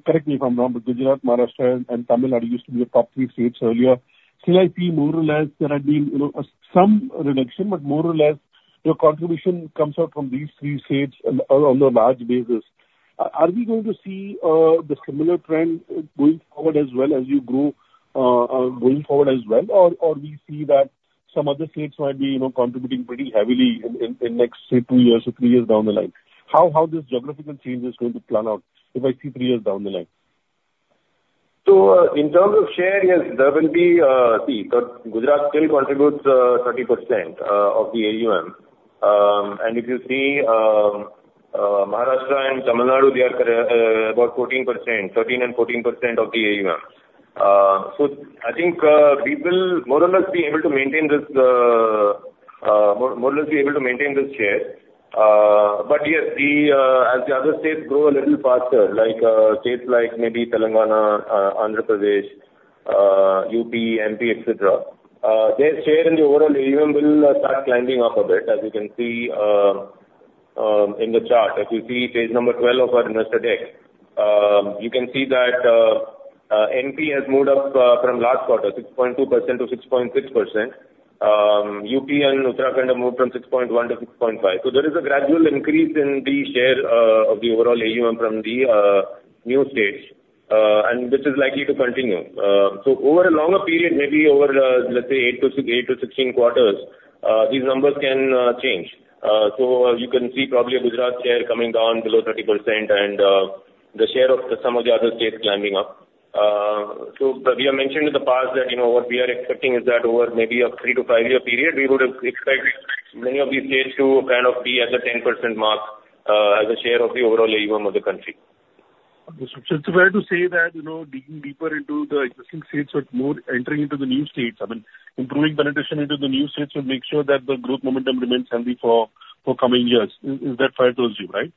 correct me if I'm wrong, but Gujarat, Maharashtra and Tamil Nadu used to be your top three states earlier. Still, I see more or less there have been, you know, some reduction, but more or less your contribution comes out from these three states and on a large basis. Are we going to see the similar trend going forward as well as you grow, going forward as well? Or, we see that some other states might be, you know, contributing pretty heavily in next, say, two years or three years down the line. How this geographical change is going to plan out if I see three years down the line? So, in terms of share, yes, there will be, see, but Gujarat still contributes 30% of the AUM. And if you see, Maharashtra and Tamil Nadu, they are about 14%, 13% and 14% of the AUM. So I think we will more or less be able to maintain this, more or less be able to maintain this share. But yes, as the other states grow a little faster, like states like maybe Telangana, Andhra Pradesh, UP, MP, et cetera, their share in the overall AUM will start climbing up a bit, as you can see in the chart. If you see page number 12 of our investor deck, you can see that MP has moved up from last quarter, 6.2%- 6.6%. UP and Uttarakhand have moved from 6.1%-6.5%. So there is a gradual increase in the share of the overall AUM from the new states, and this is likely to continue. So over a longer period, maybe over, let's say, eight to 16 quarters, these numbers can change. So you can see probably Gujarat's share coming down below 30% and the share of some of the other states climbing up. So, but we have mentioned in the past that, you know, what we are expecting is that over maybe a 3-5-year period, we would expect many of these states to kind of be at the 10% mark, as a share of the overall AUM of the country. Understood. So it's fair to say that, you know, digging deeper into the existing states, but more entering into the new states, I mean, improving penetration into the new states will make sure that the growth momentum remains healthy for coming years. Is that fair to assume, right?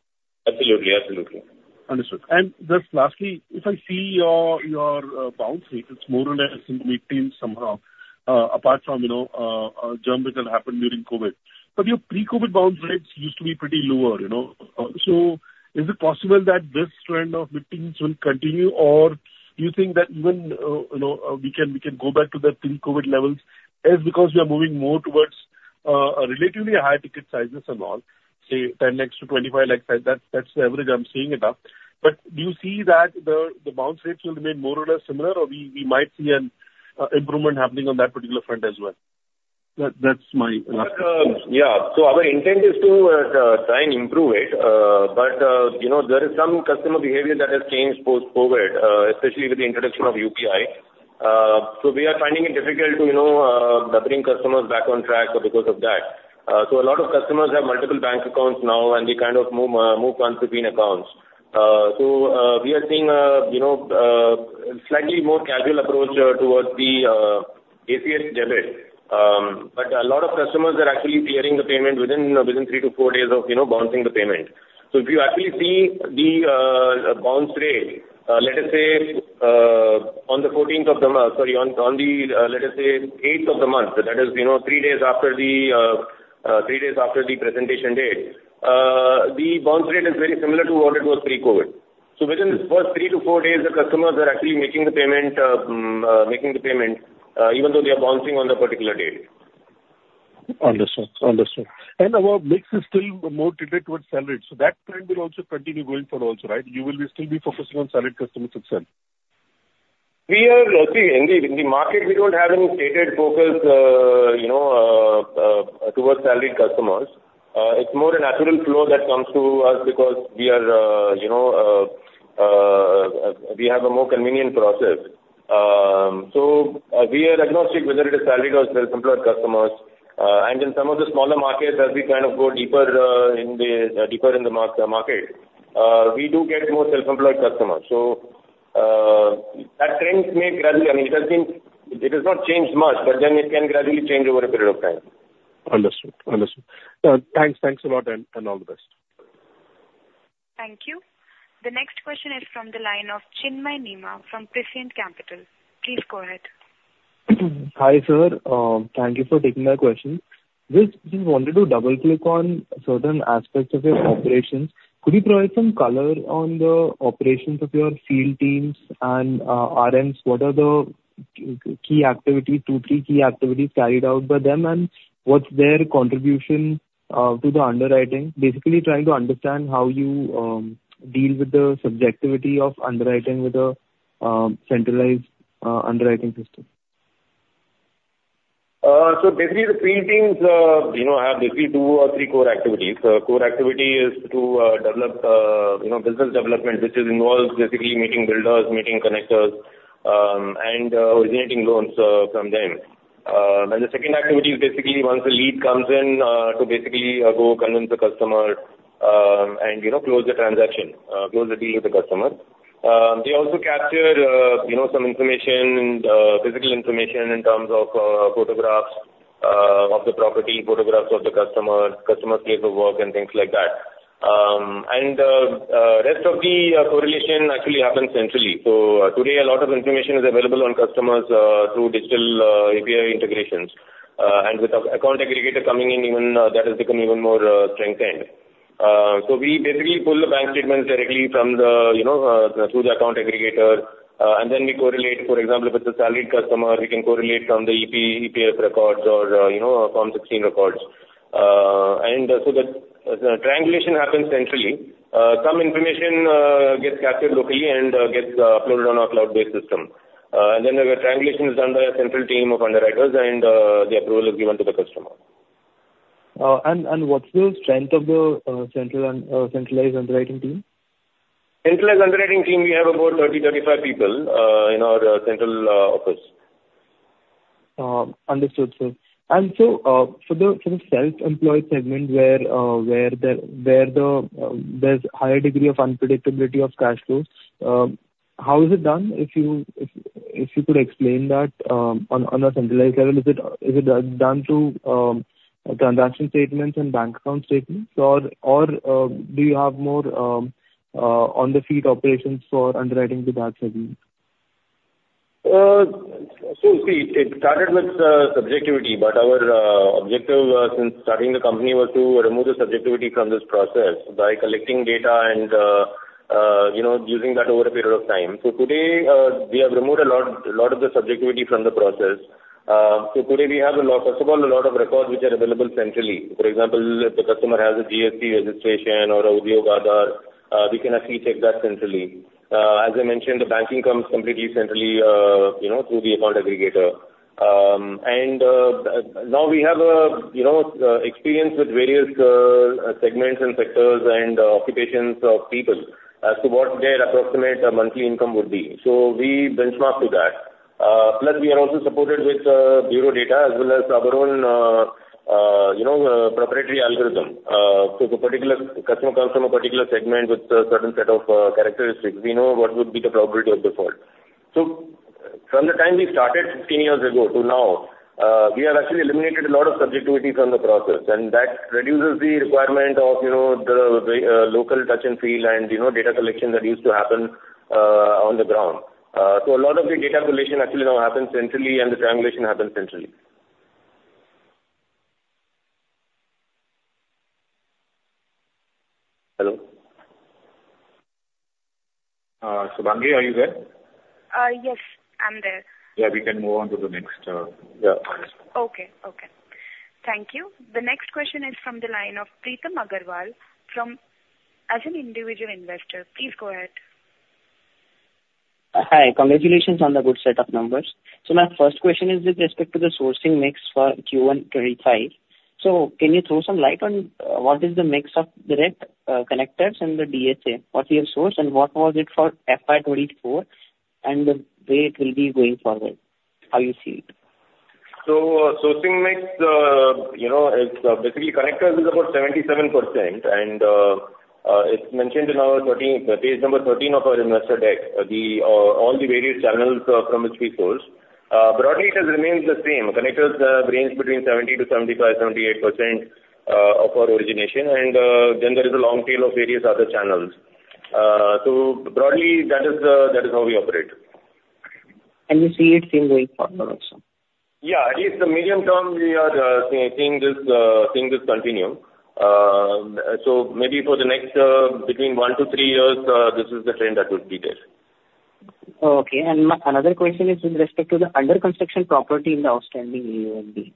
Absolutely. Absolutely. Understood. And just lastly, if I see your, your, bounce rate, it's more or less maintained somehow, apart from, you know, a jump that has happened during COVID. But your pre-COVID bounce rates used to be pretty lower, you know? So is it possible that this trend of maintenance will continue, or do you think that even, you know, we can, we can go back to the pre-COVID levels as because we are moving more towards, a relatively high ticket sizes and all, say, 10 lakhs to 25 lakhs size? That's, that's the average I'm seeing it up. But do you see that the, the bounce rates will remain more or less similar, or we, we might see an, improvement happening on that particular front as well? That, that's my, question. Yeah. So our intent is to try and improve it. But, you know, there is some customer behavior that has changed post-COVID, especially with the introduction of UPI. So we are finding it difficult to, you know, bring customers back on track because of that. So a lot of customers have multiple bank accounts now, and they kind of move between accounts. So we are seeing, you know, slightly more casual approach towards the ECS debit. But a lot of customers are actually clearing the payment within three to four days of, you know, bouncing the payment. So if you actually see the bounce rate, let us say, on the 14th of the month, sorry, on the 8th of the month, that is, you know, three days after the three days after the presentation date, the bounce rate is very similar to what it was pre-COVID. So within the first three to four days, the customers are actually making the payment, making the payment, even though they are bouncing on the particular date. Understood. Understood. Our mix is still more tilted towards salaried, so that trend will also continue going forward also, right? You will be still be focusing on salaried customers itself. See, in the market, we don't have any stated focus, you know, towards salaried customers. It's more a natural flow that comes to us because we are, you know, we have a more convenient process. So, we are agnostic, whether it is salaried or self-employed customers. And in some of the smaller markets, as we kind of go deeper, in the deeper in the market, we do get more self-employed customers. So, at times may gradually, I mean, it has been. It has not changed much, but then it can gradually change over a period of time. Understood. Understood. Thanks. Thanks a lot, and, and all the best. Thank you. The next question is from the line of Chinmay Nema from Prescient Capital. Please go ahead. Hi, sir. Thank you for taking my question. Just wanted to double-click on certain aspects of your operations. Could you provide some color on the operations of your field teams and RMs? What are the key activities, 2, 3 key activities carried out by them, and what's their contribution to the underwriting? Basically, trying to understand how you deal with the subjectivity of underwriting with a centralized underwriting system. So basically, the field teams, you know, have basically two or three core activities. Core activity is to develop, you know, business development, which is involves basically meeting builders, meeting connectors, and originating loans from them. And the second activity is basically once the lead comes in, to basically go convince the customer, and, you know, close the transaction, close the deal with the customer. They also capture, you know, some information, and physical information in terms of photographs of the property, photographs of the customer, customer's place of work, and things like that. And rest of the correlation actually happens centrally. So today, a lot of information is available on customers through digital API integrations. And with the Account Aggregator coming in, even, that has become even more strengthened. So we basically pull the bank statements directly from the, you know, through the Account Aggregator, and then we correlate. For example, if it's a salaried customer, we can correlate from the EP, EPF records or, you know, Form 16 records. And so the triangulation happens centrally. Some information gets captured locally and gets uploaded on our cloud-based system. And then the triangulation is done by a central team of underwriters and the approval is given to the customer. What's the strength of the central and centralized underwriting team? Centralized underwriting team, we have about 30-35 people in our central office. Understood, sir. And so, for the self-employed segment, where there's higher degree of unpredictability of cash flows, how is it done? If you could explain that, on a centralized level, is it done through transaction statements and bank account statements, or do you have more on-the-feet operations for underwriting to that segment? So, see, it started with subjectivity, but our objective since starting the company was to remove the subjectivity from this process by collecting data and, you know, using that over a period of time. So today, we have removed a lot, a lot of the subjectivity from the process. So today we have a lot, first of all, a lot of records which are available centrally. For example, if the customer has a GST registration or a Udyog Aadhaar, we can actually check that centrally. As I mentioned, the banking comes completely centrally, you know, through the Account Aggregator. And now we have a you know experience with various segments and sectors and occupations of people as to what their approximate monthly income would be, so we benchmark to that. Plus, we are also supported with bureau data as well as our own, you know, proprietary algorithm. So if a particular customer comes from a particular segment with a certain set of characteristics, we know what would be the probability of default. So from the time we started 15 years ago to now, we have actually eliminated a lot of subjectivity from the process, and that reduces the requirement of, you know, the local touch and feel and, you know, data collection that used to happen on the ground. So a lot of the data collection actually now happens centrally, and the triangulation happens centrally. Hello? Shubhangi, are you there? Yes, I'm there. Yeah, we can move on to the next. Yeah. Okay. Okay, thank you. The next question is from the line of Pritam Aggarwal from, as an individual investor. Please go ahead. Hi. Congratulations on the good set of numbers. So my first question is with respect to the sourcing mix for Q1 2025. So can you throw some light on what is the mix of direct, connectors and the DSA, what's your source, and what was it for FY 2024, and the way it will be going forward, how you see it? So, sourcing mix, you know, it's basically connectors is about 77%, and, it's mentioned in our 13, page number 13 of our investor deck, all the various channels from which we source. Broadly, it has remained the same. Connectors, range between 70%-75%, 78% of our origination, and, then there is a long tail of various other channels. So broadly, that is, that is how we operate. You see it same going forward also? Yeah, at least the medium term, we are seeing this continuum. So maybe for the next between 1-3 years, this is the trend that would be there. Okay. And my another question is with respect to the under-construction property in the outstanding AUM.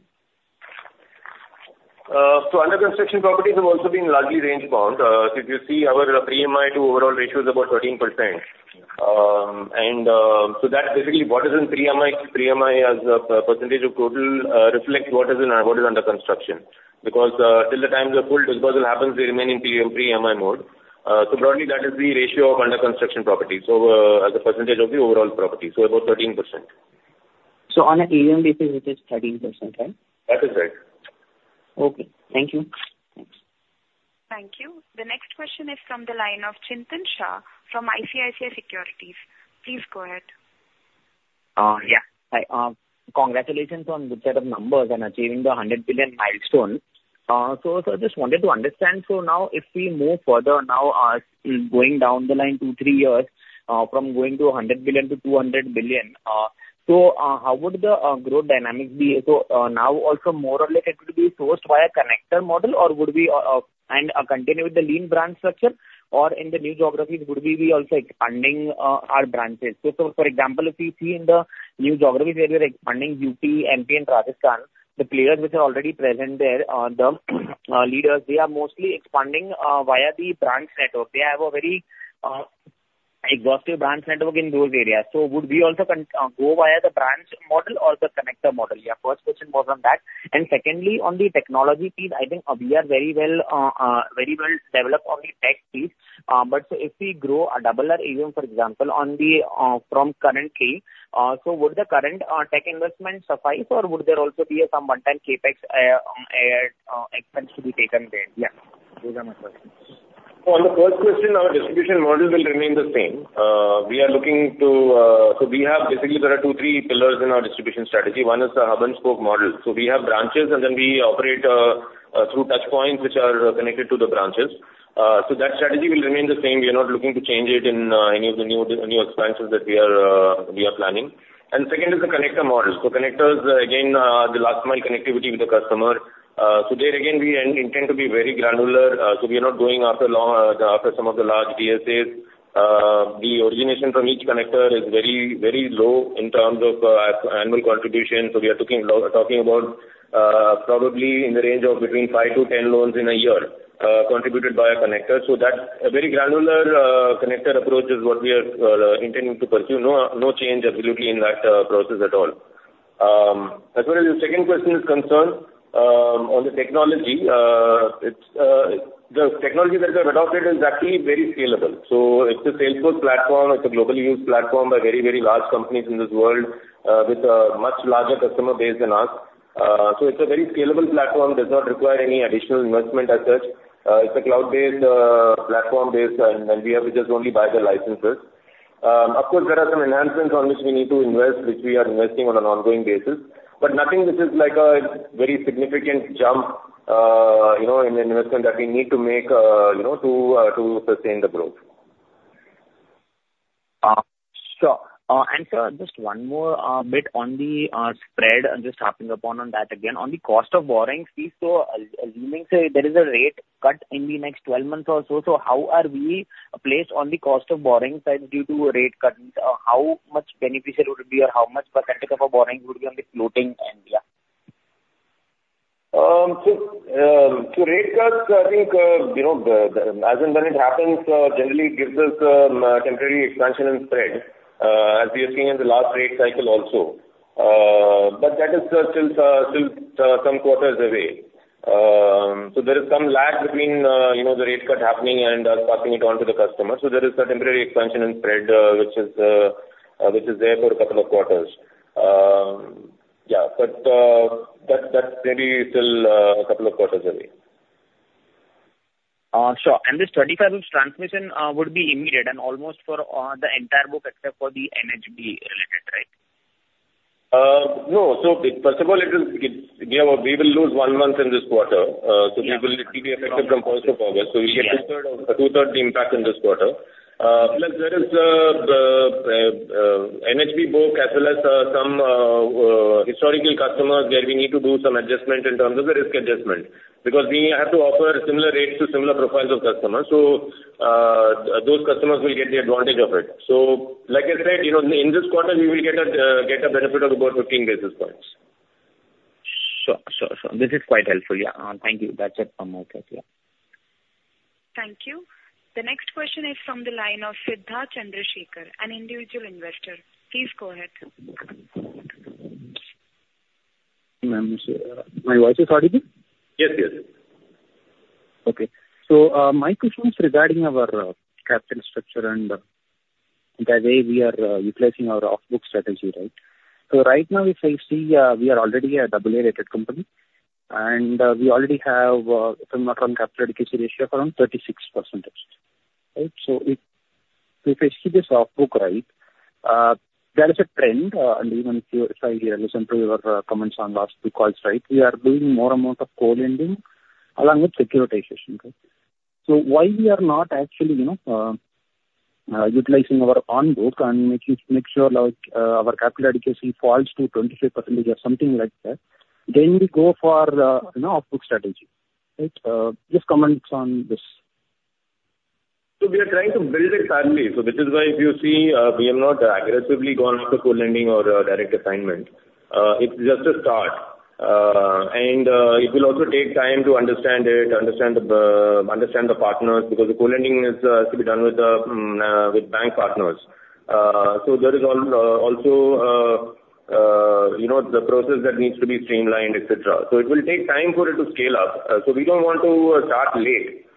So under-construction properties have also been largely range bound. If you see our pre-EMI to overall ratio is about 13%. And so that's basically what is in pre-EMI. Pre-EMI as a percentage of total reflects what is in, what is under construction, because till the time the full dispersal happens, we remain in pre-EMI, pre-EMI mode. So broadly, that is the ratio of under-construction property, so as a percentage of the overall property, so about 13%. So on an AUM basis, it is 13%, right? That is right. Okay. Thank you. Thanks. Thank you. The next question is from the line of Chintan Shah from ICICI Securities. Please go ahead. Yeah. Hi, congratulations on the good set of numbers and achieving the 100 billion milestone. So just wanted to understand, so now if we move further now, going down the line two, three years, from going to a 100 billion to 200 billion, so, how would the growth dynamics be? So, now also more or less it could be sourced by a connector model or would we and continue with the lean branch structure, or in the new geographies, would we be also expanding our branches? So, for example, if we see in the new geographies where we are expanding, UP, MP and Rajasthan, the players which are already present there, the leaders, they are mostly expanding via the branch network. They have a very exhaustive branch network in those areas. So would we also go via the branch model or the connector model? Yeah, first question was on that. And secondly, on the technology piece, I think we are very well, very well developed on the tech piece. But so if we grow or double our AUM, for example, on the from currently, so would the current tech investment suffice or would there also be some one-time CapEx expense to be taken there? Yeah, those are my questions. On the first question, our distribution model will remain the same. We are looking to... So we have, basically, there are two, three pillars in our distribution strategy. One is the hub and spoke model. So we have branches, and then we operate through touchpoints which are connected to the branches. So that strategy will remain the same. We are not looking to change it in any of the new, new expansions that we are planning. And second is the connector model. So connectors, again, the last mile connectivity with the customer, so there again, we intend to be very granular, so we are not going after large, after some of the large DSAs. The origination from each connector is very, very low in terms of annual contribution, so we are looking, talking about probably in the range of between 5-10 loans in a year contributed by a connector. So that's a very granular connector approach is what we are intending to pursue. No, no change absolutely in that process at all. As far as the second question is concerned, on the technology, it's the technology that we have adopted is actually very scalable. So it's a Salesforce platform, it's a globally used platform by very, very large companies in this world with a much larger customer base than us. So it's a very scalable platform, does not require any additional investment as such. It's a cloud-based platform base, and we have to just only buy the licenses. Of course, there are some enhancements on which we need to invest, which we are investing on an ongoing basis, but nothing which is like a very significant jump, you know, in the investment that we need to make, you know, to sustain the growth. Sure. And sir, just one more bit on the spread. I'm just harping upon on that again. On the cost of borrowing fees, so assuming, say, there is a rate cut in the next 12 months or so, so how are we placed on the cost of borrowing side due to a rate cut? How much beneficial would it be, or how much percentage of a borrowing would be on the floating end, yeah? So, rate cuts, I think, you know, as and when it happens, generally gives us temporary expansion and spread, as we have seen in the last rate cycle also. But that is still some quarters away. So there is some lag between, you know, the rate cut happening and us passing it on to the customer. So there is a temporary expansion and spread, which is there for a couple of quarters. Yeah, but that's maybe still a couple of quarters away. Sure. And this 35 bps transmission would be immediate and almost for the entire book, except for the NHB-related, right? No. So first of all, we will lose one month in this quarter. Yeah. We will literally be affected from first of August. Yeah. So we should see two-thirds impact in this quarter. Plus there is the NHB book, as well as some historical customers, where we need to do some adjustment in terms of the risk adjustment. Because we have to offer similar rates to similar profiles of customers, so those customers will get the advantage of it. So, like I said, you know, in this quarter, we will get a benefit of about 15 basis points. Sure. Sure, sure. This is quite helpful. Yeah. Thank you. That's it from my side. Yeah. Thank you. The next question is from the line of Siddharth Chandrashekar, an individual investor. Please go ahead. Ma'am, sir, my voice is audible? Yes, yes. Okay. So, my question is regarding our, capital structure and the way we are, utilizing our off-book strategy, right? So right now, if I see, we are already a double A-rated company, and, we already have, from our capital adequacy ratio around 36%. Right? So if, if I see this off-book, right, there is a trend, and even if I listen to your comments on last two calls, right, we are doing more amount of co-lending, along with securitization. So why we are not actually, you know, utilizing our on-book and making, make sure like, our capital adequacy falls to 25% or something like that, then we go for, you know, off-book strategy, right? Just comment on this. So we are trying to build it sadly. So this is why if you see, we have not aggressively gone after co-lending or direct assignment. It's just a start. And it will also take time to understand it, understand the understand the partners, because the co-lending is to be done with with bank partners. So there is also, you know, the process that needs to be streamlined, et cetera. So it will take time for it to scale up. So we don't want to start late,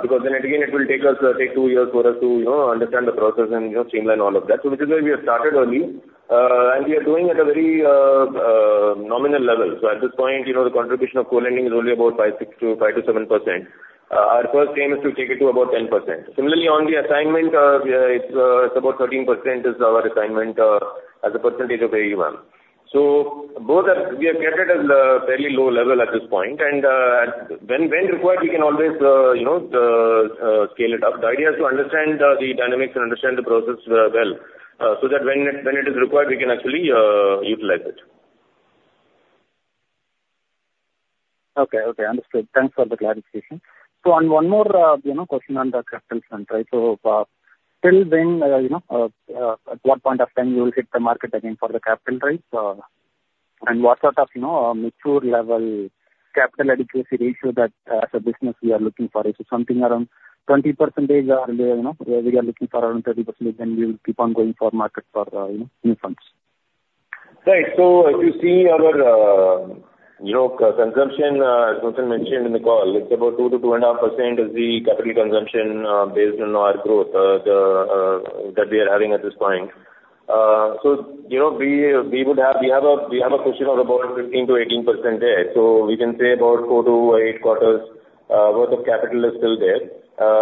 because then again, it will take us take two years for us to, you know, understand the process and, you know, streamline all of that. So which is why we have started early, and we are doing at a very nominal level. So at this point, you know, the contribution of co-lending is only about 5-6% to 5-7%. Our first aim is to take it to about 10%. Similarly, on the assignment, it's about 13% is our assignment, as a percentage of AUM. So both are, we have kept it at fairly low level at this point, and when required, we can always, you know, scale it up. The idea is to understand the dynamics and understand the process well, so that when it is required, we can actually utilize it. Okay. Okay, understood. Thanks for the clarification. So on one more, you know, question on the capital front, right. So, till then, you know, at what point of time you will hit the market again for the capital raise? And what sort of, you know, mature level capital adequacy ratio that as a business we are looking for? Is it something around 20%, or, you know, we are looking for around 30%, and we will keep on going for market for, you know, new funds. Right. So if you see our, you know, consumption, as also mentioned in the call, it's about 2%-2.5% is the capital consumption, based on our growth, the, that we are having at this point. So, you know, we, we would have-- we have a, we have a cushion of about 15%-18% there, so we can say about four to eight quarters, worth of capital is still there.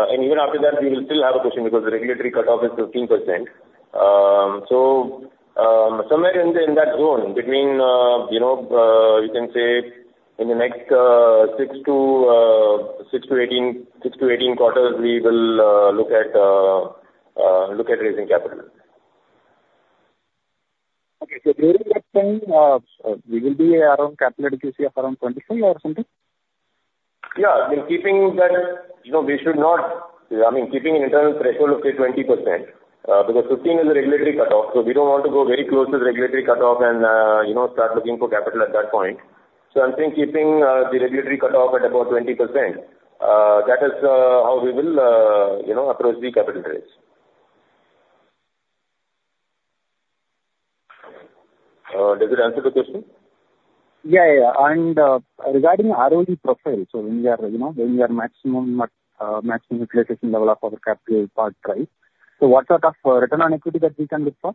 And even after that, we will still have a cushion because the regulatory cutoff is 15%. So, somewhere in, in that zone, between, you know, you can say in the next, six to, six to 18, six to 18 quarters, we will, look at, look at raising capital. Okay. So during that time, we will be around capital adequacy of around 25 or something? Yeah, we're keeping that, you know, we should not, I mean, keeping an internal threshold of, say, 20%, because 15 is a regulatory cutoff, so we don't want to go very close to the regulatory cutoff and, you know, start looking for capital at that point. So I'm saying keeping, the regulatory cutoff at about 20%, that is, how we will, you know, approach the capital raise. Does it answer the question? Yeah, yeah. And, regarding ROE profile, so when we are, you know, when we are maximum, maximum utilization level of our capital part, right? So what sort of return on equity that we can look for?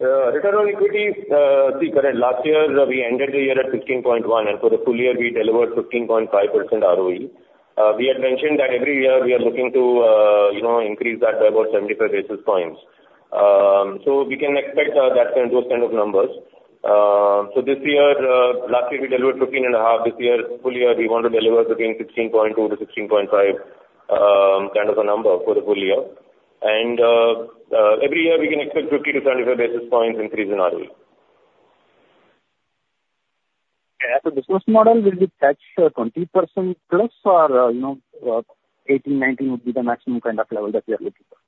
Return on equity, see, for last year, we ended the year at 16.1, and for the full year, we delivered 15.5% ROE. We had mentioned that every year we are looking to, you know, increase that by about 75 basis points. So we can expect that kind, those kind of numbers. So this year, last year we delivered 15.5. This year, full year, we want to deliver between 16.2-16.5 kind of a number for the full year. And every year we can expect 50-75 basis points increase in ROE. Yeah. So business model, will we touch, 20% plus or, you know, 18, 19 would be the maximum kind of level that we are looking for?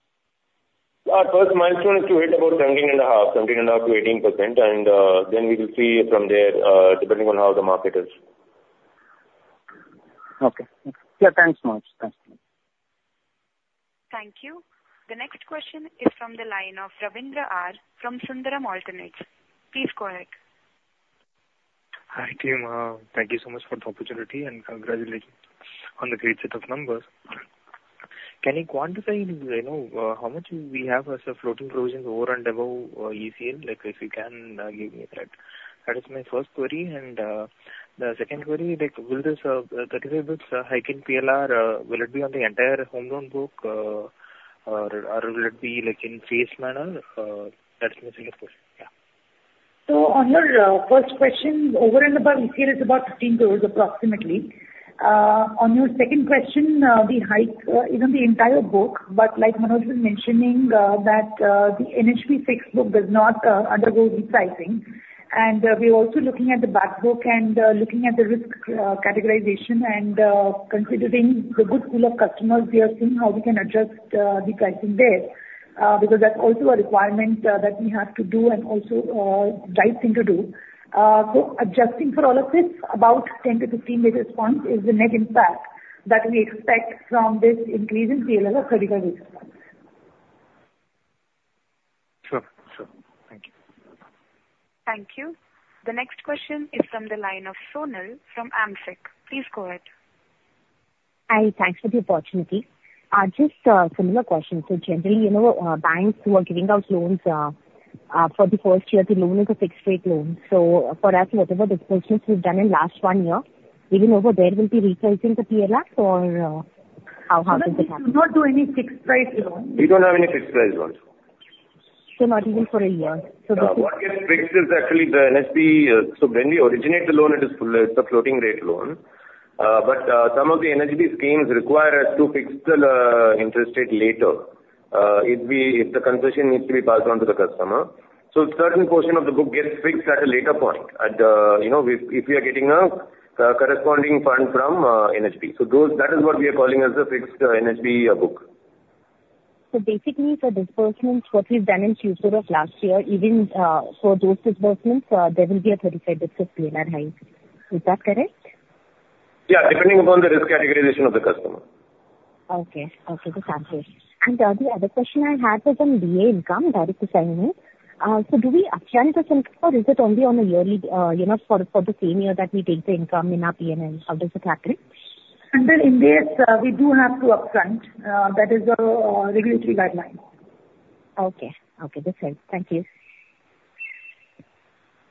Our first milestone is to hit about 17.5%, 17.5%-18%, and then we will see from there, depending on how the market is. Okay. Yeah, thanks much. Thanks. Thank you. The next question is from the line of Arvind R from Sundaram Alternates. Please go ahead. Hi, team. Thank you so much for the opportunity and congratulations on the great set of numbers. Can you quantify, you know, how much we have as floating provisions over and above ECL? Like, if you can, give me that. That is my first query, and the second query, like, will this 35 basis points hike in PLR will it be on the entire home loan book, or will it be like in phased manner? That's my second question. Yeah. So on your first question, over and above, ECL is about 15 crore, approximately. On your second question, the hike, even the entire book, but like Manoj was mentioning, that the NHB fixed book does not undergo repricing. And we're also looking at the back book and looking at the risk categorization and considering the good pool of customers, we are seeing how we can adjust the pricing there, because that's also a requirement that we have to do and also right thing to do. So adjusting for all of this, about 10-15 basis points is the net impact that we expect from this increase in PLR of 35 basis points. Sure. Sure. Thank you. Thank you. The next question is from the line of Sonal from AMSEC. Please go ahead. Hi, thanks for the opportunity. Just, similar question. So generally, you know, banks who are giving out loans, for the first year, the loan is a fixed rate loan. So for us, whatever the business we've done in last one year, even over there, we'll be repricing the PLR or, how does it happen? We do not do any fixed price loan. We don't have any fixed price loans. So not even for a year? So the- What gets fixed is actually the NHB. So when we originate the loan, it is full, it's a floating rate loan. But some of the NHB schemes require us to fix the interest rate later, if the concession needs to be passed on to the customer. So certain portion of the book gets fixed at a later point. You know, if we are getting a corresponding fund from NHB. So those, that is what we are calling as the fixed NHB book. Basically, for disbursements what we've done in quarter of last year, even, for those disbursements, there will be a 35 basis PLR hike. Is that correct? Yeah, depending upon the risk categorization of the customer. Okay. Okay, that's fine. The other question I had was on DA income, Direct Assignment. So do we upfront this income, or is it only on a yearly, you know, for, for the same year that we take the income in our PNL, how does it happen? And then in this, we do have to upfront, that is the regulatory guideline. Okay. Okay, that's it. Thank you.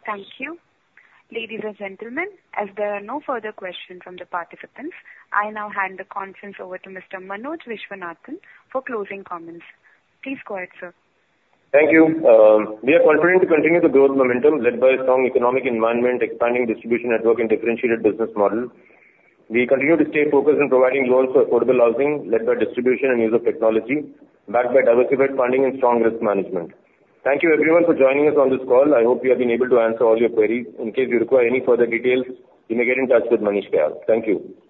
Thank you. Ladies and gentlemen, as there are no further questions from the participants, I now hand the conference over to Mr. Manoj Viswanathan for closing comments. Please go ahead, sir. Thank you. We are confident to continue the growth momentum led by a strong economic environment, expanding distribution network, and differentiated business model. We continue to stay focused on providing loans for affordable housing, led by distribution and use of technology, backed by diversified funding and strong risk management. Thank you everyone for joining us on this call. I hope we have been able to answer all your queries. In case you require any further details, you may get in touch with Manish Kayal. Thank you.